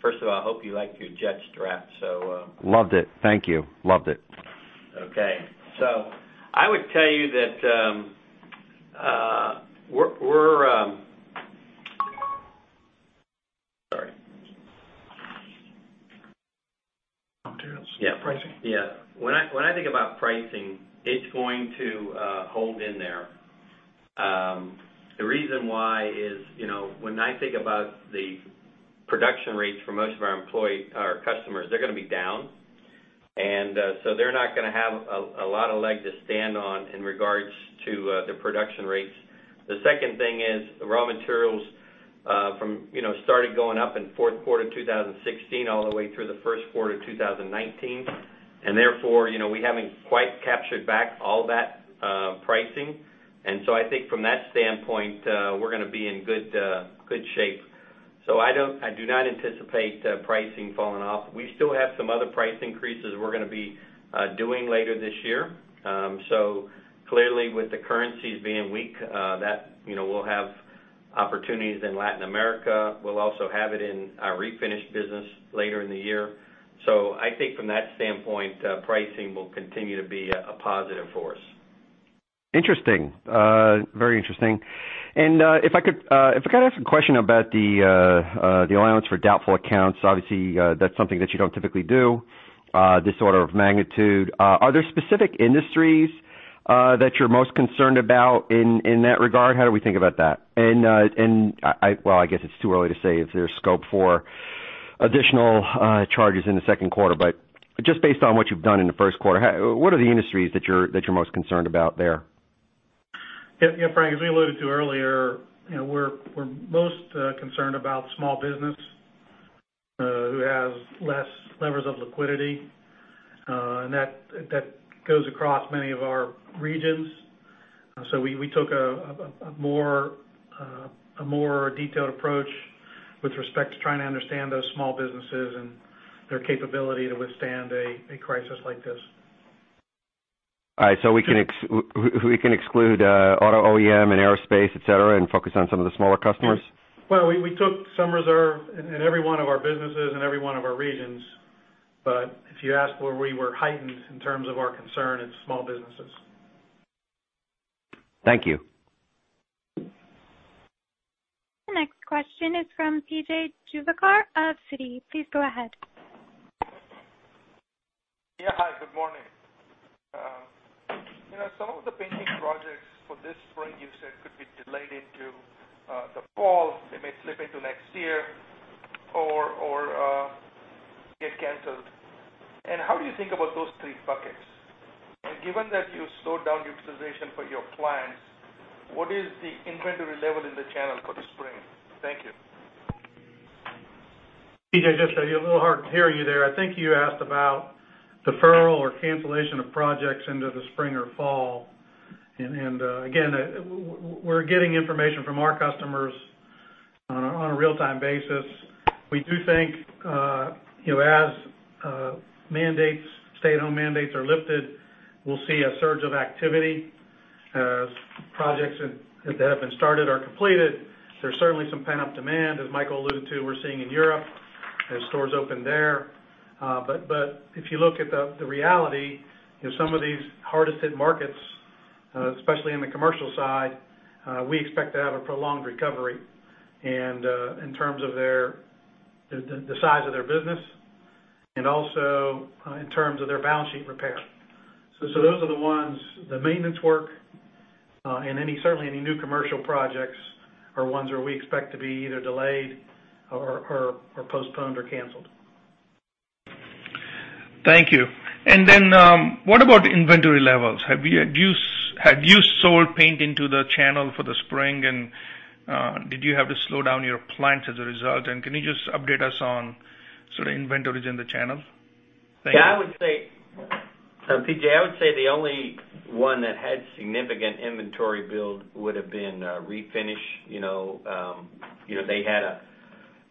First of all, I hope you liked your Jets draft. Loved it. Thank you. Loved it. Okay. I would tell you that we're Sorry. Materials. Yeah. Pricing. When I think about pricing, it's going to hold in there. The reason why is, when I think about the production rates for most of our customers, they're going to be down. They're not going to have a lot of leg to stand on in regards to their production rates. The second thing is the raw materials, started going up in fourth quarter 2016 all the way through the first quarter 2019. Therefore, we haven't quite captured back all that pricing. I think from that standpoint, we're going to be in good shape. I do not anticipate pricing falling off. We still have some other price increases we're going to be doing later this year. Clearly with the currencies being weak, we'll have opportunities in Latin America. We'll also have it in our Refinish business later in the year. I think from that standpoint, pricing will continue to be a positive force. Interesting. Very interesting. If I could ask a question about the allowance for doubtful accounts. Obviously, that's something that you don't typically do, this order of magnitude. Are there specific industries that you're most concerned about in that regard? How do we think about that? Well, I guess it's too early to say if there's scope for additional charges in the second quarter. Just based on what you've done in the first quarter, what are the industries that you're most concerned about there? Yeah, Frank, as we alluded to earlier, we're most concerned about small business, who has less levers of liquidity. That goes across many of our regions. We took a more detailed approach with respect to trying to understand those small businesses and their capability to withstand a crisis like this. All right. We can exclude auto OEM and aerospace, et cetera, and focus on some of the smaller customers? Well, we took some reserve in every one of our businesses and every one of our regions. If you ask where we were heightened in terms of our concern, it's small businesses. Thank you. The next question is from PJ Juvekar of Citi. Please go ahead. Yeah. Hi, good morning. Some of the painting projects for this spring, you said, could be delayed into the fall. They may slip into next year or get canceled. How do you think about those three buckets? Given that you slowed down utilization for your plants, what is the inventory level in the channel for the spring? Thank you. PJ, just a little hard to hear you there. I think you asked about deferral or cancellation of projects into the spring or fall. Again, we're getting information from our customers on a real-time basis. We do think as stay-at-home mandates are lifted, we'll see a surge of activity as projects that have been started are completed. There's certainly some pent-up demand, as Michael alluded to, we're seeing in Europe, as stores open there. If you look at the reality, some of these hardest hit markets, especially in the commercial side, we expect to have a prolonged recovery. In terms of the size of their business and also in terms of their balance sheet repair. Those are the ones, the maintenance work, and certainly any new commercial projects are ones where we expect to be either delayed or postponed or canceled. Thank you. What about inventory levels? Had you sold paint into the channel for the spring, and did you have to slow down your plants as a result? Can you just update us on sort of inventories in the channel? Thank you. Yeah, PJ, I would say the only one that had significant inventory build would've been refinish.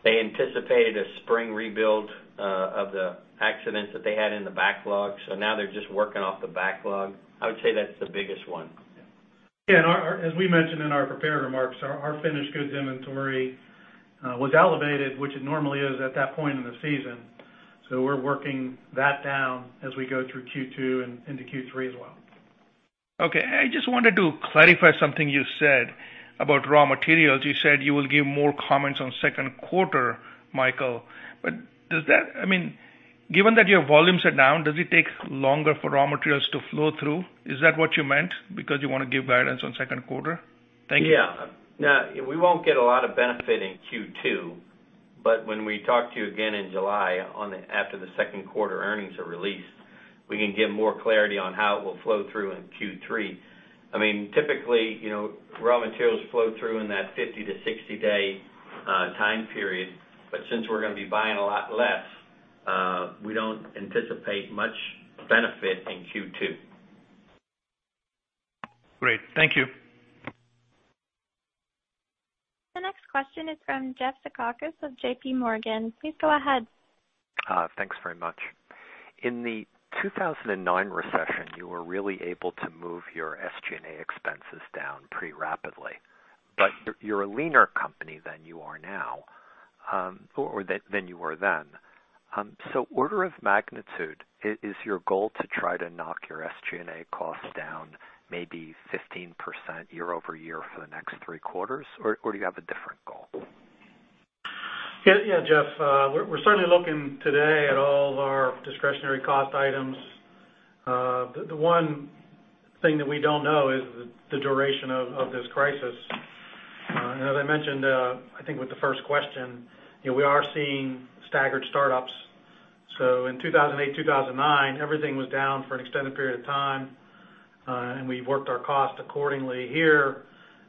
They anticipated a spring rebuild of the accidents that they had in the backlog. Now they're just working off the backlog. I would say that's the biggest one. Yeah. As we mentioned in our prepared remarks, our finished goods inventory was elevated, which it normally is at that point in the season. We're working that down as we go through Q2 and into Q3 as well. Okay. I just wanted to clarify something you said about raw materials. You said you will give more comments on second quarter, Michael, but given that your volumes are down, does it take longer for raw materials to flow through? Is that what you meant, because you want to give guidance on second quarter? Thank you. Yeah. No, we won't get a lot of benefit in Q2, but when we talk to you again in July, after the second quarter earnings are released, we can give more clarity on how it will flow through in Q3. Typically, raw materials flow through in that 50 to 60 day time period. Since we're going to be buying a lot less, we don't anticipate much benefit in Q2. Great. Thank you. The next question is from Jeff Zekauskas of JPMorgan. Please go ahead. Thanks very much. In the 2009 recession, you were really able to move your SG&A expenses down pretty rapidly. You're a leaner company than you were then. Order of magnitude, is your goal to try to knock your SG&A costs down maybe 15% year-over-year for the next three quarters? Do you have a different goal? Jeff. We're certainly looking today at all of our discretionary cost items. The one thing that we don't know is the duration of this crisis. As I mentioned, I think with the first question, we are seeing staggered startups. In 2008, 2009, everything was down for an extended period of time, and we worked our cost accordingly. Here,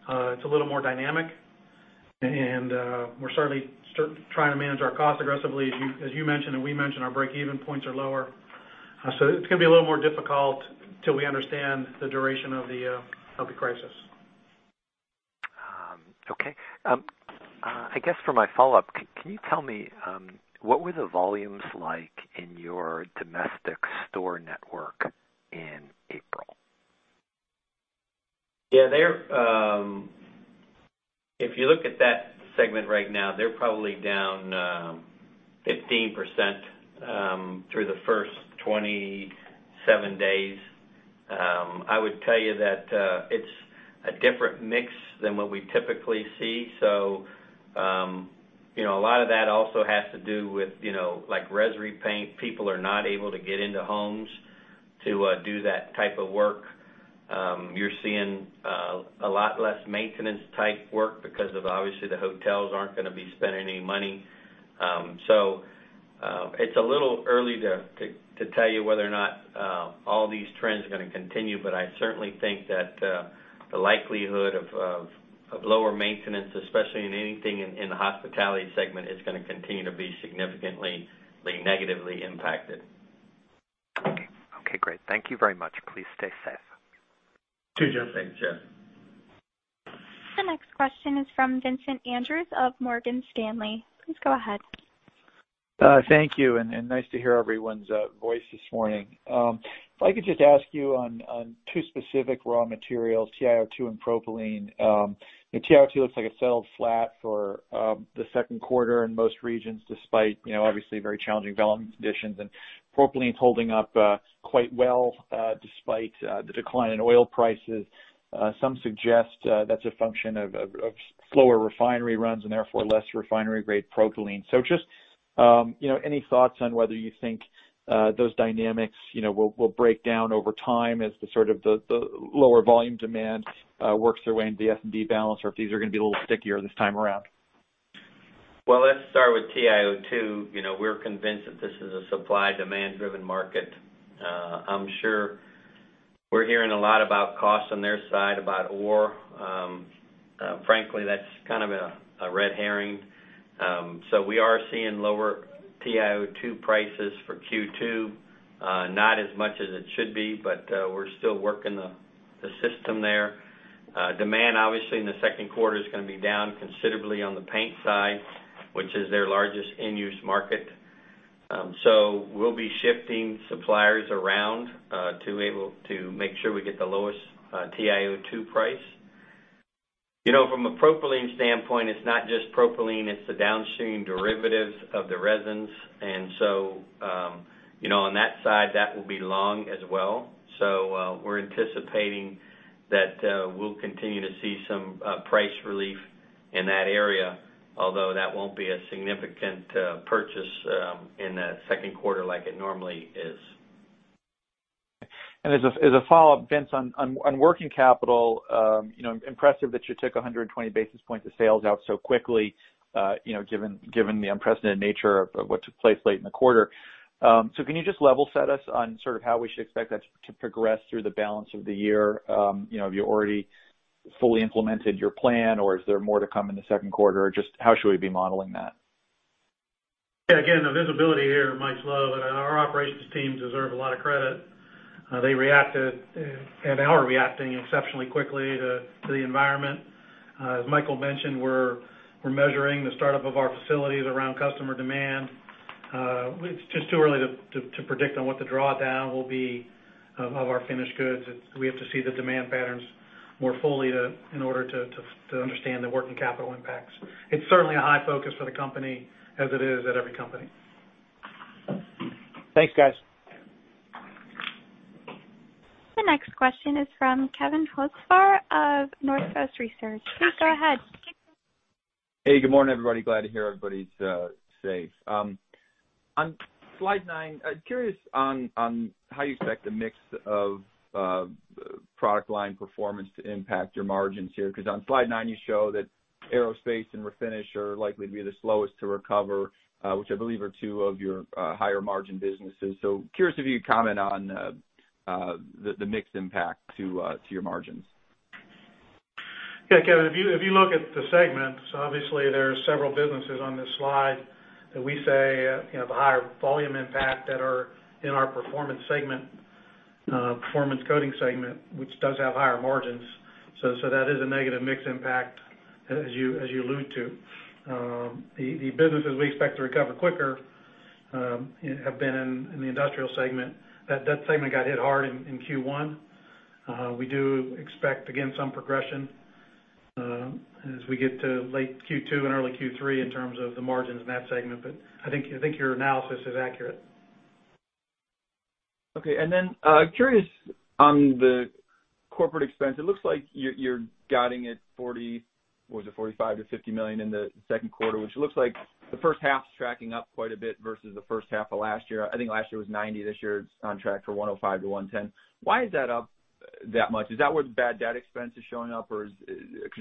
it's a little more dynamic and we're certainly trying to manage our cost aggressively. As you mentioned and we mentioned, our breakeven points are lower. It's going to be a little more difficult till we understand the duration of the crisis. Okay. I guess for my follow-up, can you tell me what were the volumes like in your domestic store network in April? Yeah. If you look at that segment right now, they're probably down 15% through the first 27 days. I would tell you that it's a different mix than what we typically see. A lot of that also has to do with res repaint. People are not able to get into homes to do that type of work. You're seeing a lot less maintenance type work because of, obviously, the hotels aren't going to be spending any money. It's a little early to tell you whether or not all these trends are going to continue, but I certainly think that the likelihood of lower maintenance, especially in anything in the hospitality segment, is going to continue to be significantly negatively impacted. Okay, great. Thank you very much. Please stay safe. Sure. Thanks, Jeff. The next question is from Vincent Andrews of Morgan Stanley. Please go ahead. Thank you. Nice to hear everyone's voice this morning. If I could just ask you on two specific raw materials, TiO2 and propylene. TiO2 looks like it settled flat for the second quarter in most regions, despite obviously very challenging volume conditions, and propylene is holding up quite well despite the decline in oil prices. Some suggest that's a function of slower refinery runs and therefore less refinery-grade propylene. Just any thoughts on whether you think those dynamics will break down over time as the lower volume demand works their way into the S&D balance, or if these are going to be a little stickier this time around? Let's start with TiO2. We're convinced that this is a supply/demand-driven market. I'm sure we're hearing a lot about costs on their side, about ore. Frankly, that's kind of a red herring. We are seeing lower TiO2 prices for Q2. Not as much as it should be, but we're still working the system there. Demand, obviously, in the second quarter is going to be down considerably on the paint side, which is their largest end-use market. We'll be shifting suppliers around to make sure we get the lowest TiO2 price. From a propylene standpoint, it's not just propylene, it's the downstream derivatives of the resins, and so on that side, that will be long as well. We're anticipating that we'll continue to see some price relief in that area, although that won't be a significant purchase in the second quarter like it normally is. As a follow-up, Vince, on working capital, impressive that you took 120 basis points of sales out so quickly given the unprecedented nature of what took place late in the quarter. Can you just level set us on how we should expect that to progress through the balance of the year? Have you already fully implemented your plan, or is there more to come in the second quarter? Just how should we be modeling that? Yeah. Again, the visibility here is mighty low, and our operations teams deserve a lot of credit. They reacted, and they are reacting exceptionally quickly to the environment. As Michael mentioned, we're measuring the startup of our facilities around customer demand. It's just too early to predict on what the drawdown will be of our finished goods. We have to see the demand patterns more fully in order to understand the working capital impacts. It's certainly a high focus for the company, as it is at every company. Thanks, guys. The next question is from Kevin Hocevar of Northcoast Research. Please go ahead. Good morning, everybody. Glad to hear everybody's safe. On slide nine, curious on how you expect the mix of product line performance to impact your margins here. On slide nine, you show that aerospace and refinish are likely to be the slowest to recover, which I believe are two of your higher margin businesses. Curious if you could comment on the mixed impact to your margins. Kevin, if you look at the segments, obviously there are several businesses on this slide that we say have a higher volume impact that are in our performance segment, performance coating segment, which does have higher margins. That is a negative mix impact as you allude to. The businesses we expect to recover quicker have been in the industrial segment. That segment got hit hard in Q1. We do expect, again, some progression as we get to late Q2 and early Q3 in terms of the margins in that segment. I think your analysis is accurate. Okay. Then curious on the corporate expense, it looks like you're guiding it $40, or is it $45 million-$50 million in the second quarter, which looks like the first half's tracking up quite a bit versus the first half of last year. I think last year was $90. This year it's on track for $105-$110. Why is that up that much? Is that where the bad debt expense is showing up? Because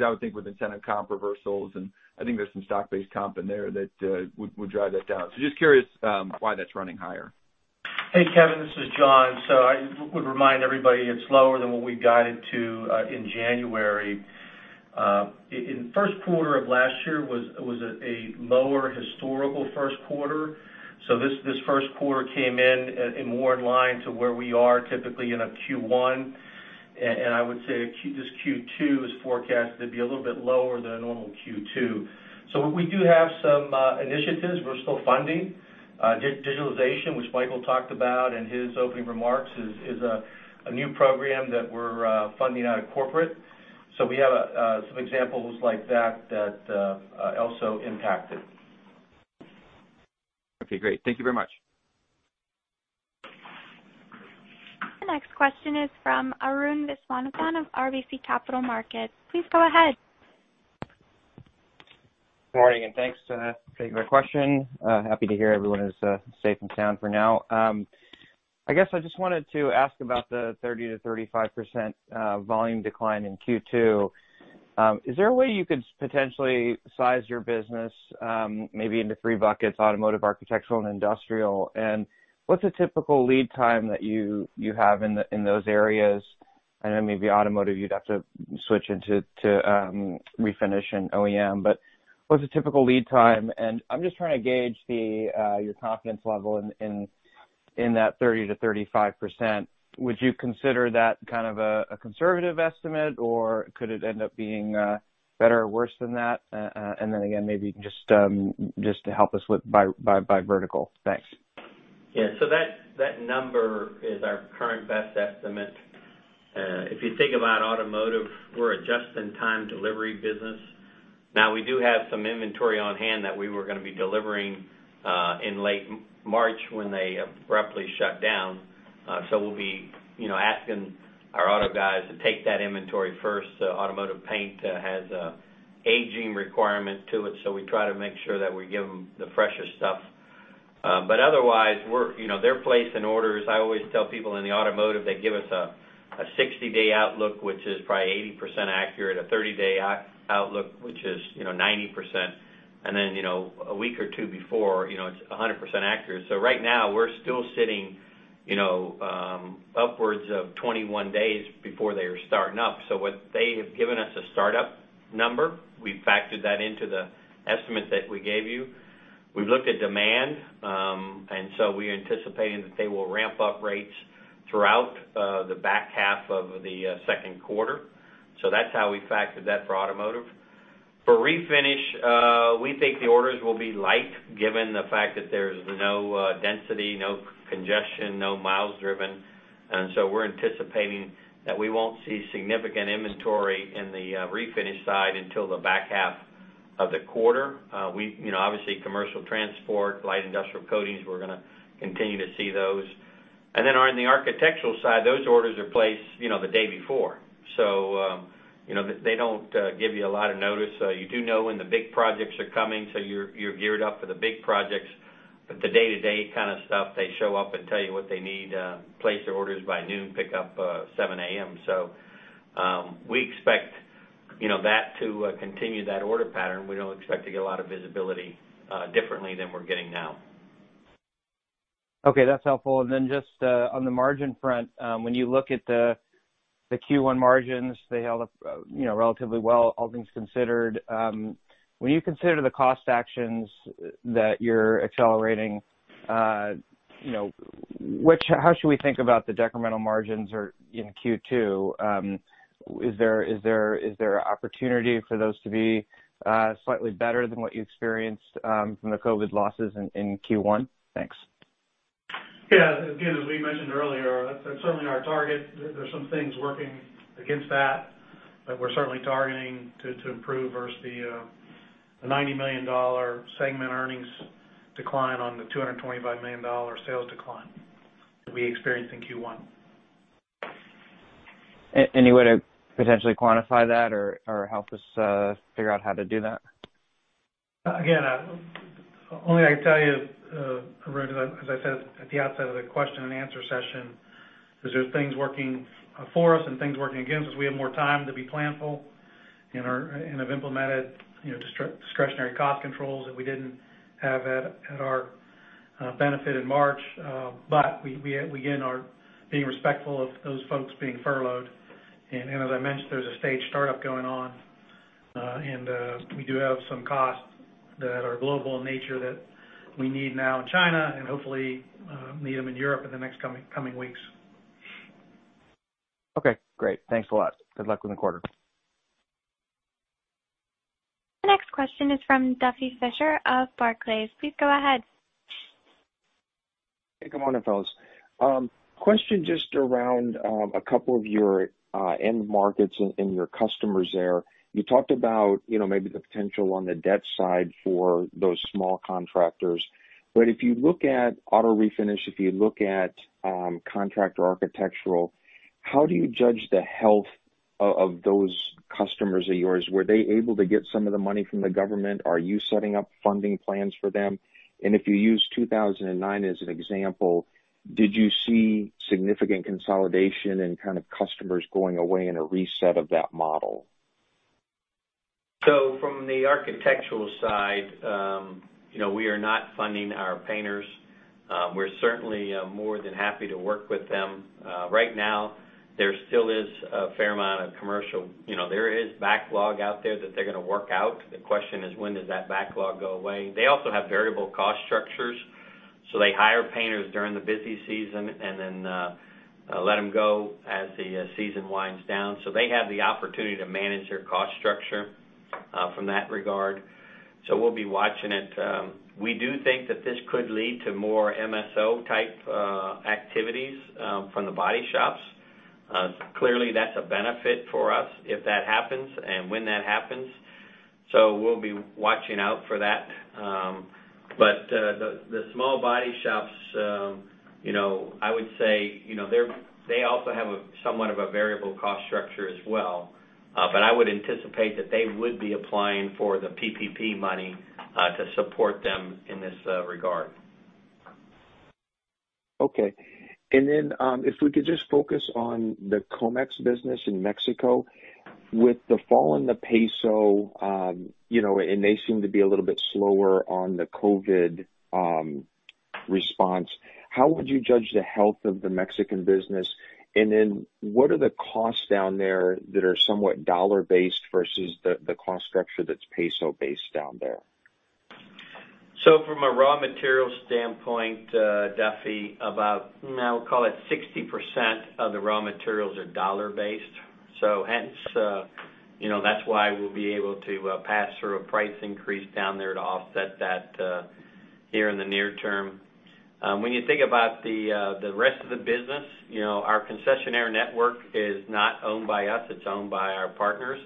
I would think with incentive comp reversals, and I think there's some stock-based comp in there that would drive that down. Just curious why that's running higher. Hey, Kevin, this is John. I would remind everybody it's lower than what we guided to in January. In the first quarter of last year was a lower historical first quarter. This first quarter came in more in line to where we are typically in a Q1, and I would say this Q2 is forecasted to be a little bit lower than a normal Q2. We do have some initiatives we're still funding. Digitalization, which Michael talked about in his opening remarks, is a new program that we're funding out of corporate. We have some examples like that also impacted. Okay, great. Thank you very much. The next question is from Arun Viswanathan of RBC Capital Markets. Please go ahead. Morning, thanks. Take my question. Happy to hear everyone is safe and sound for now. I guess I just wanted to ask about the 30%-35% volume decline in Q2. Is there a way you could potentially size your business maybe into three buckets, automotive, architectural, and industrial? What's a typical lead time that you have in those areas? Maybe automotive, you'd have to switch into refinish and OEM. What's a typical lead time? I'm just trying to gauge your confidence level in that 30%-35%. Would you consider that kind of a conservative estimate, or could it end up being better or worse than that? Again, maybe just to help us by vertical. Thanks. That number is our current best estimate. If you think about automotive, we're a just-in-time delivery business. We do have some inventory on hand that we were going to be delivering in late March when they abruptly shut down. We'll be asking our auto guys to take that inventory first. Automotive paint has an aging requirement to it, so we try to make sure that we give them the fresher stuff. Otherwise, they're placing orders. I always tell people in the automotive, they give us a 60-day outlook, which is probably 80% accurate, a 30-day outlook, which is 90%. A week or two before, it's 100% accurate. Right now, we're still sitting upwards of 21 days before they are starting up. They have given us a startup number. We've factored that into the estimate that we gave you. We've looked at demand. We are anticipating that they will ramp up rates throughout the back half of the second quarter. That's how we factored that for automotive. For refinish, we think the orders will be light given the fact that there's no density, no congestion, no miles driven. We're anticipating that we won't see significant inventory in the refinish side until the back half of the quarter. Obviously, commercial transport, light industrial coatings, we're going to continue to see those. On the architectural side, those orders are placed the day before. They don't give you a lot of notice. You do know when the big projects are coming, so you're geared up for the big projects. The day-to-day kind of stuff, they show up and tell you what they need, place their orders by noon, pick up 7:00 A.M. We expect that to continue that order pattern. We don't expect to get a lot of visibility differently than we're getting now. Okay. That's helpful. Then just on the margin front, when you look at the Q1 margins, they held up relatively well, all things considered. When you consider the cost actions that you're accelerating, how should we think about the decremental margins in Q2? Is there opportunity for those to be slightly better than what you experienced from the COVID losses in Q1? Thanks. Yeah. Again, as we mentioned earlier, that's certainly our target. There's some things working against that. We're certainly targeting to improve versus the $90 million segment earnings decline on the $225 million sales decline that we experienced in Q1. Any way to potentially quantify that or help us figure out how to do that? Only I can tell you, Arun, as I said at the outset of the question and answer session, is there are things working for us and things working against us. We have more time to be planful and have implemented discretionary cost controls that we didn't have at our benefit in March. We again are being respectful of those folks being furloughed. As I mentioned, there's a staged startup going on. We do have some costs that are global in nature that we need now in China and hopefully need them in Europe in the next coming weeks. Okay, great. Thanks a lot. Good luck with the quarter. The next question is from Duffy Fischer of Barclays. Please go ahead. Hey, good morning, fellas. Question just around a couple of your end markets and your customers there. You talked about maybe the potential on the debt side for those small contractors. If you look at auto refinish, if you look at contractor architectural, how do you judge the health of those customers of yours? Were they able to get some of the money from the government? Are you setting up funding plans for them? If you use 2009 as an example, did you see significant consolidation and kind of customers going away in a reset of that model? From the architectural side, we are not funding our painters. We're certainly more than happy to work with them. Right now, there still is a fair amount of commercial. There is backlog out there that they're going to work out. The question is when does that backlog go away? They also have variable cost structures. They hire painters during the busy season and then let them go as the season winds down. They have the opportunity to manage their cost structure from that regard. We'll be watching it. We do think that this could lead to more MSO type activities from the body shops. Clearly, that's a benefit for us if that happens and when that happens. We'll be watching out for that. The small body shops, I would say they also have somewhat of a variable cost structure as well. I would anticipate that they would be applying for the PPP money to support them in this regard. Okay. If we could just focus on the Comex business in Mexico. With the fall in the MXN, and they seem to be a little bit slower on the COVID-19 response, how would you judge the health of the Mexican business? What are the costs down there that are somewhat dollar-based versus the cost structure that's MXN-based down there? From a raw material standpoint, Duffy, about, I would call it 60% of the raw materials are dollar-based. Hence, that's why we'll be able to pass through a price increase down there to offset that here in the near term. When you think about the rest of the business, our concessionaire network is not owned by us, it's owned by our partners.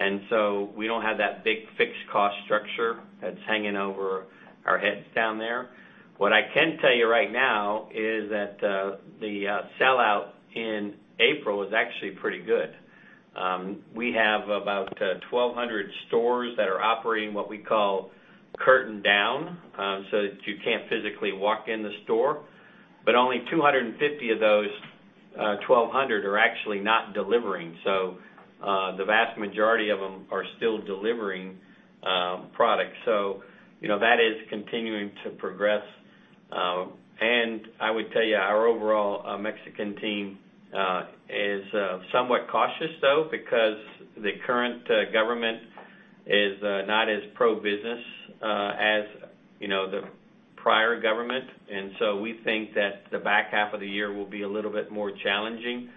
We don't have that big fixed cost structure that's hanging over our heads down there. What I can tell you right now is that the sell-out in April is actually pretty good. We have about 1,200 stores that are operating what we call curtain down, so that you can't physically walk in the store. Only 250 of those 1,200 are actually not delivering. The vast majority of them are still delivering product. That is continuing to progress. I would tell you, our overall Mexican team is somewhat cautious, though, because the current government is not as pro-business as the prior government. We think that the back half of the year will be a little bit more challenging.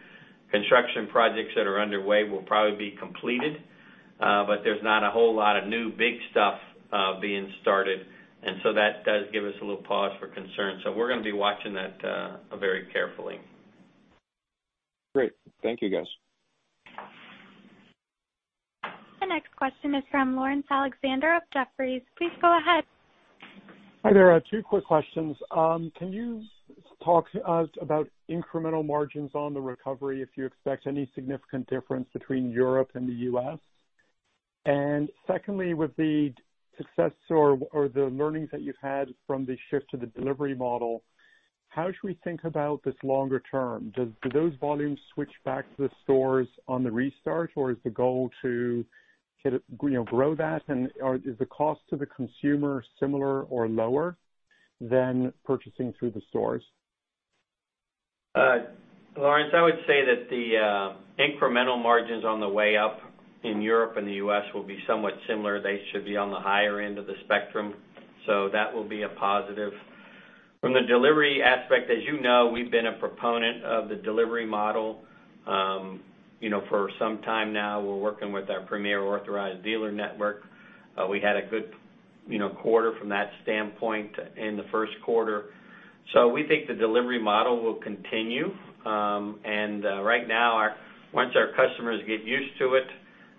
Construction projects that are underway will probably be completed. There's not a whole lot of new big stuff being started. That does give us a little pause for concern. We're going to be watching that very carefully. Great. Thank you, guys. The next question is from Laurence Alexander of Jefferies. Please go ahead. Hi there. Two quick questions. Can you talk to us about incremental margins on the recovery, if you expect any significant difference between Europe and the U.S.? Secondly, with the success or the learnings that you've had from the shift to the delivery model, how should we think about this longer term? Do those volumes switch back to the stores on the restart, or is the goal to grow that, or is the cost to the consumer similar or lower than purchasing through the stores? Laurence, I would say that the incremental margins on the way up in Europe and the U.S. will be somewhat similar. They should be on the higher end of the spectrum. That will be a positive. From the delivery aspect, as you know, we've been a proponent of the delivery model for some time now. We're working with our premier authorized dealer network. We had a good quarter from that standpoint in the first quarter. We think the delivery model will continue. Right now, once our customers get used to it,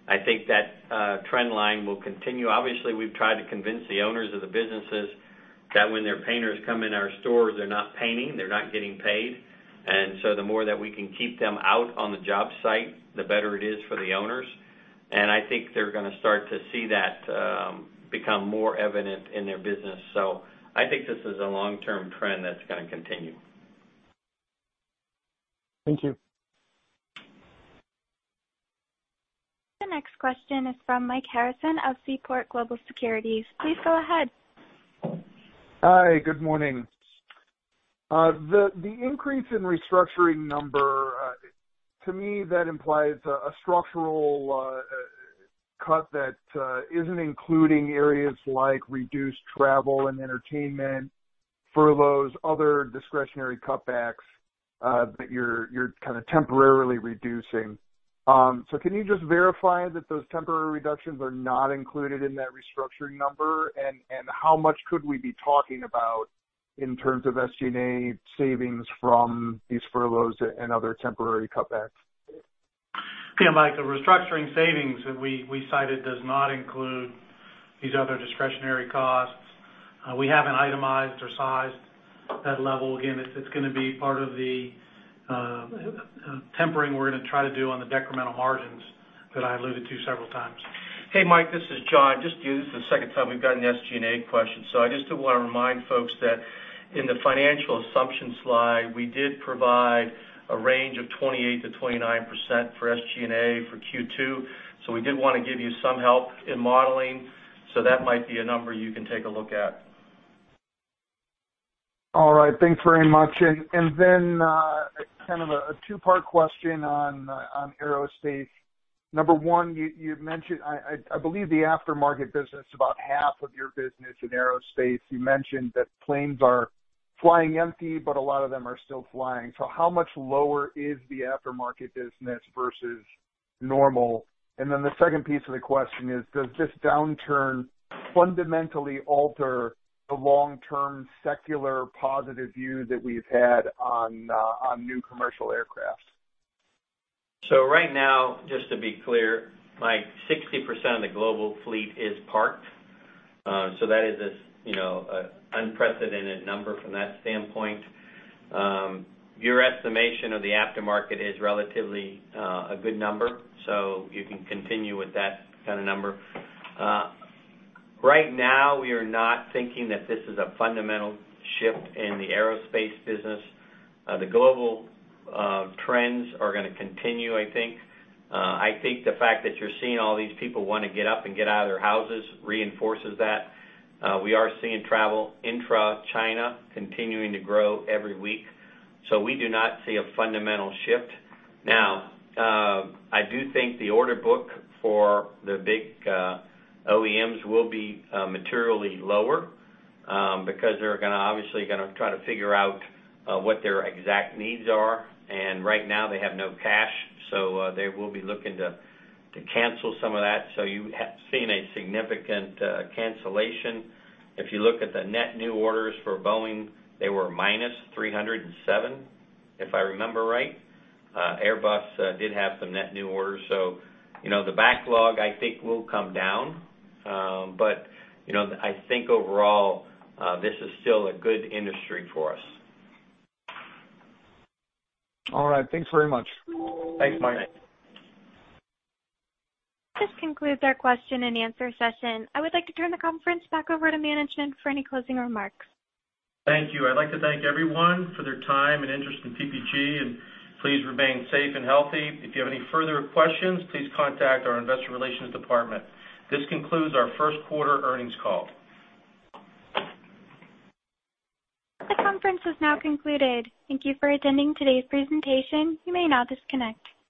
I think that trend line will continue. Obviously, we've tried to convince the owners of the businesses that when their painters come in our stores, they're not painting, they're not getting paid. The more that we can keep them out on the job site, the better it is for the owners. I think they're going to start to see that become more evident in their business. I think this is a long-term trend that's going to continue. Thank you. The next question is from Mike Harrison of Seaport Global Securities. Please go ahead. Hi, good morning. The increase in restructuring number, to me, that implies a structural cut that isn't including areas like reduced travel and entertainment, furloughs, other discretionary cutbacks that you're kind of temporarily reducing. Can you just verify that those temporary reductions are not included in that restructuring number? How much could we be talking about in terms of SG&A savings from these furloughs and other temporary cutbacks? Yeah, Mike, the restructuring savings that we cited does not include these other discretionary costs. We haven't itemized or sized that level. Again, it's going to be part of the tempering we're going to try to do on the decremental margins that I alluded to several times. Hey, Mike, this is John. This is the second time we've gotten an SG&A question. I just do want to remind folks that in the financial assumption slide, we did provide a range of 28%-29% for SG&A for Q2. We did want to give you some help in modeling. That might be a number you can take a look at. All right. Thanks very much. Kind of a two-part question on aerospace. Number one, you mentioned, I believe, the aftermarket business, about half of your business in aerospace. You mentioned that planes are flying empty, but a lot of them are still flying. How much lower is the aftermarket business versus normal? The second piece of the question is, does this downturn fundamentally alter the long-term secular positive view that we've had on new commercial aircraft? Right now, just to be clear, Mike, 60% of the global fleet is parked. That is an unprecedented number from that standpoint. Your estimation of the aftermarket is relatively a good number, so you can continue with that kind of number. Right now, we are not thinking that this is a fundamental shift in the aerospace business. The global trends are going to continue, I think. I think the fact that you're seeing all these people want to get up and get out of their houses reinforces that. We are seeing travel intra China continuing to grow every week. We do not see a fundamental shift. I do think the order book for the big OEMs will be materially lower, because they're obviously going to try to figure out what their exact needs are. Right now, they have no cash, they will be looking to cancel some of that. You have seen a significant cancellation. If you look at the net new orders for Boeing, they were minus 307, if I remember right. Airbus did have some net new orders. The backlog, I think, will come down. I think overall, this is still a good industry for us. All right. Thanks very much. Thanks, Mike. This concludes our question and answer session. I would like to turn the conference back over to management for any closing remarks. Thank you. I'd like to thank everyone for their time and interest in PPG, and please remain safe and healthy. If you have any further questions, please contact our investor relations department. This concludes our first quarter earnings call. The conference is now concluded. Thank you for attending today's presentation. You may now disconnect.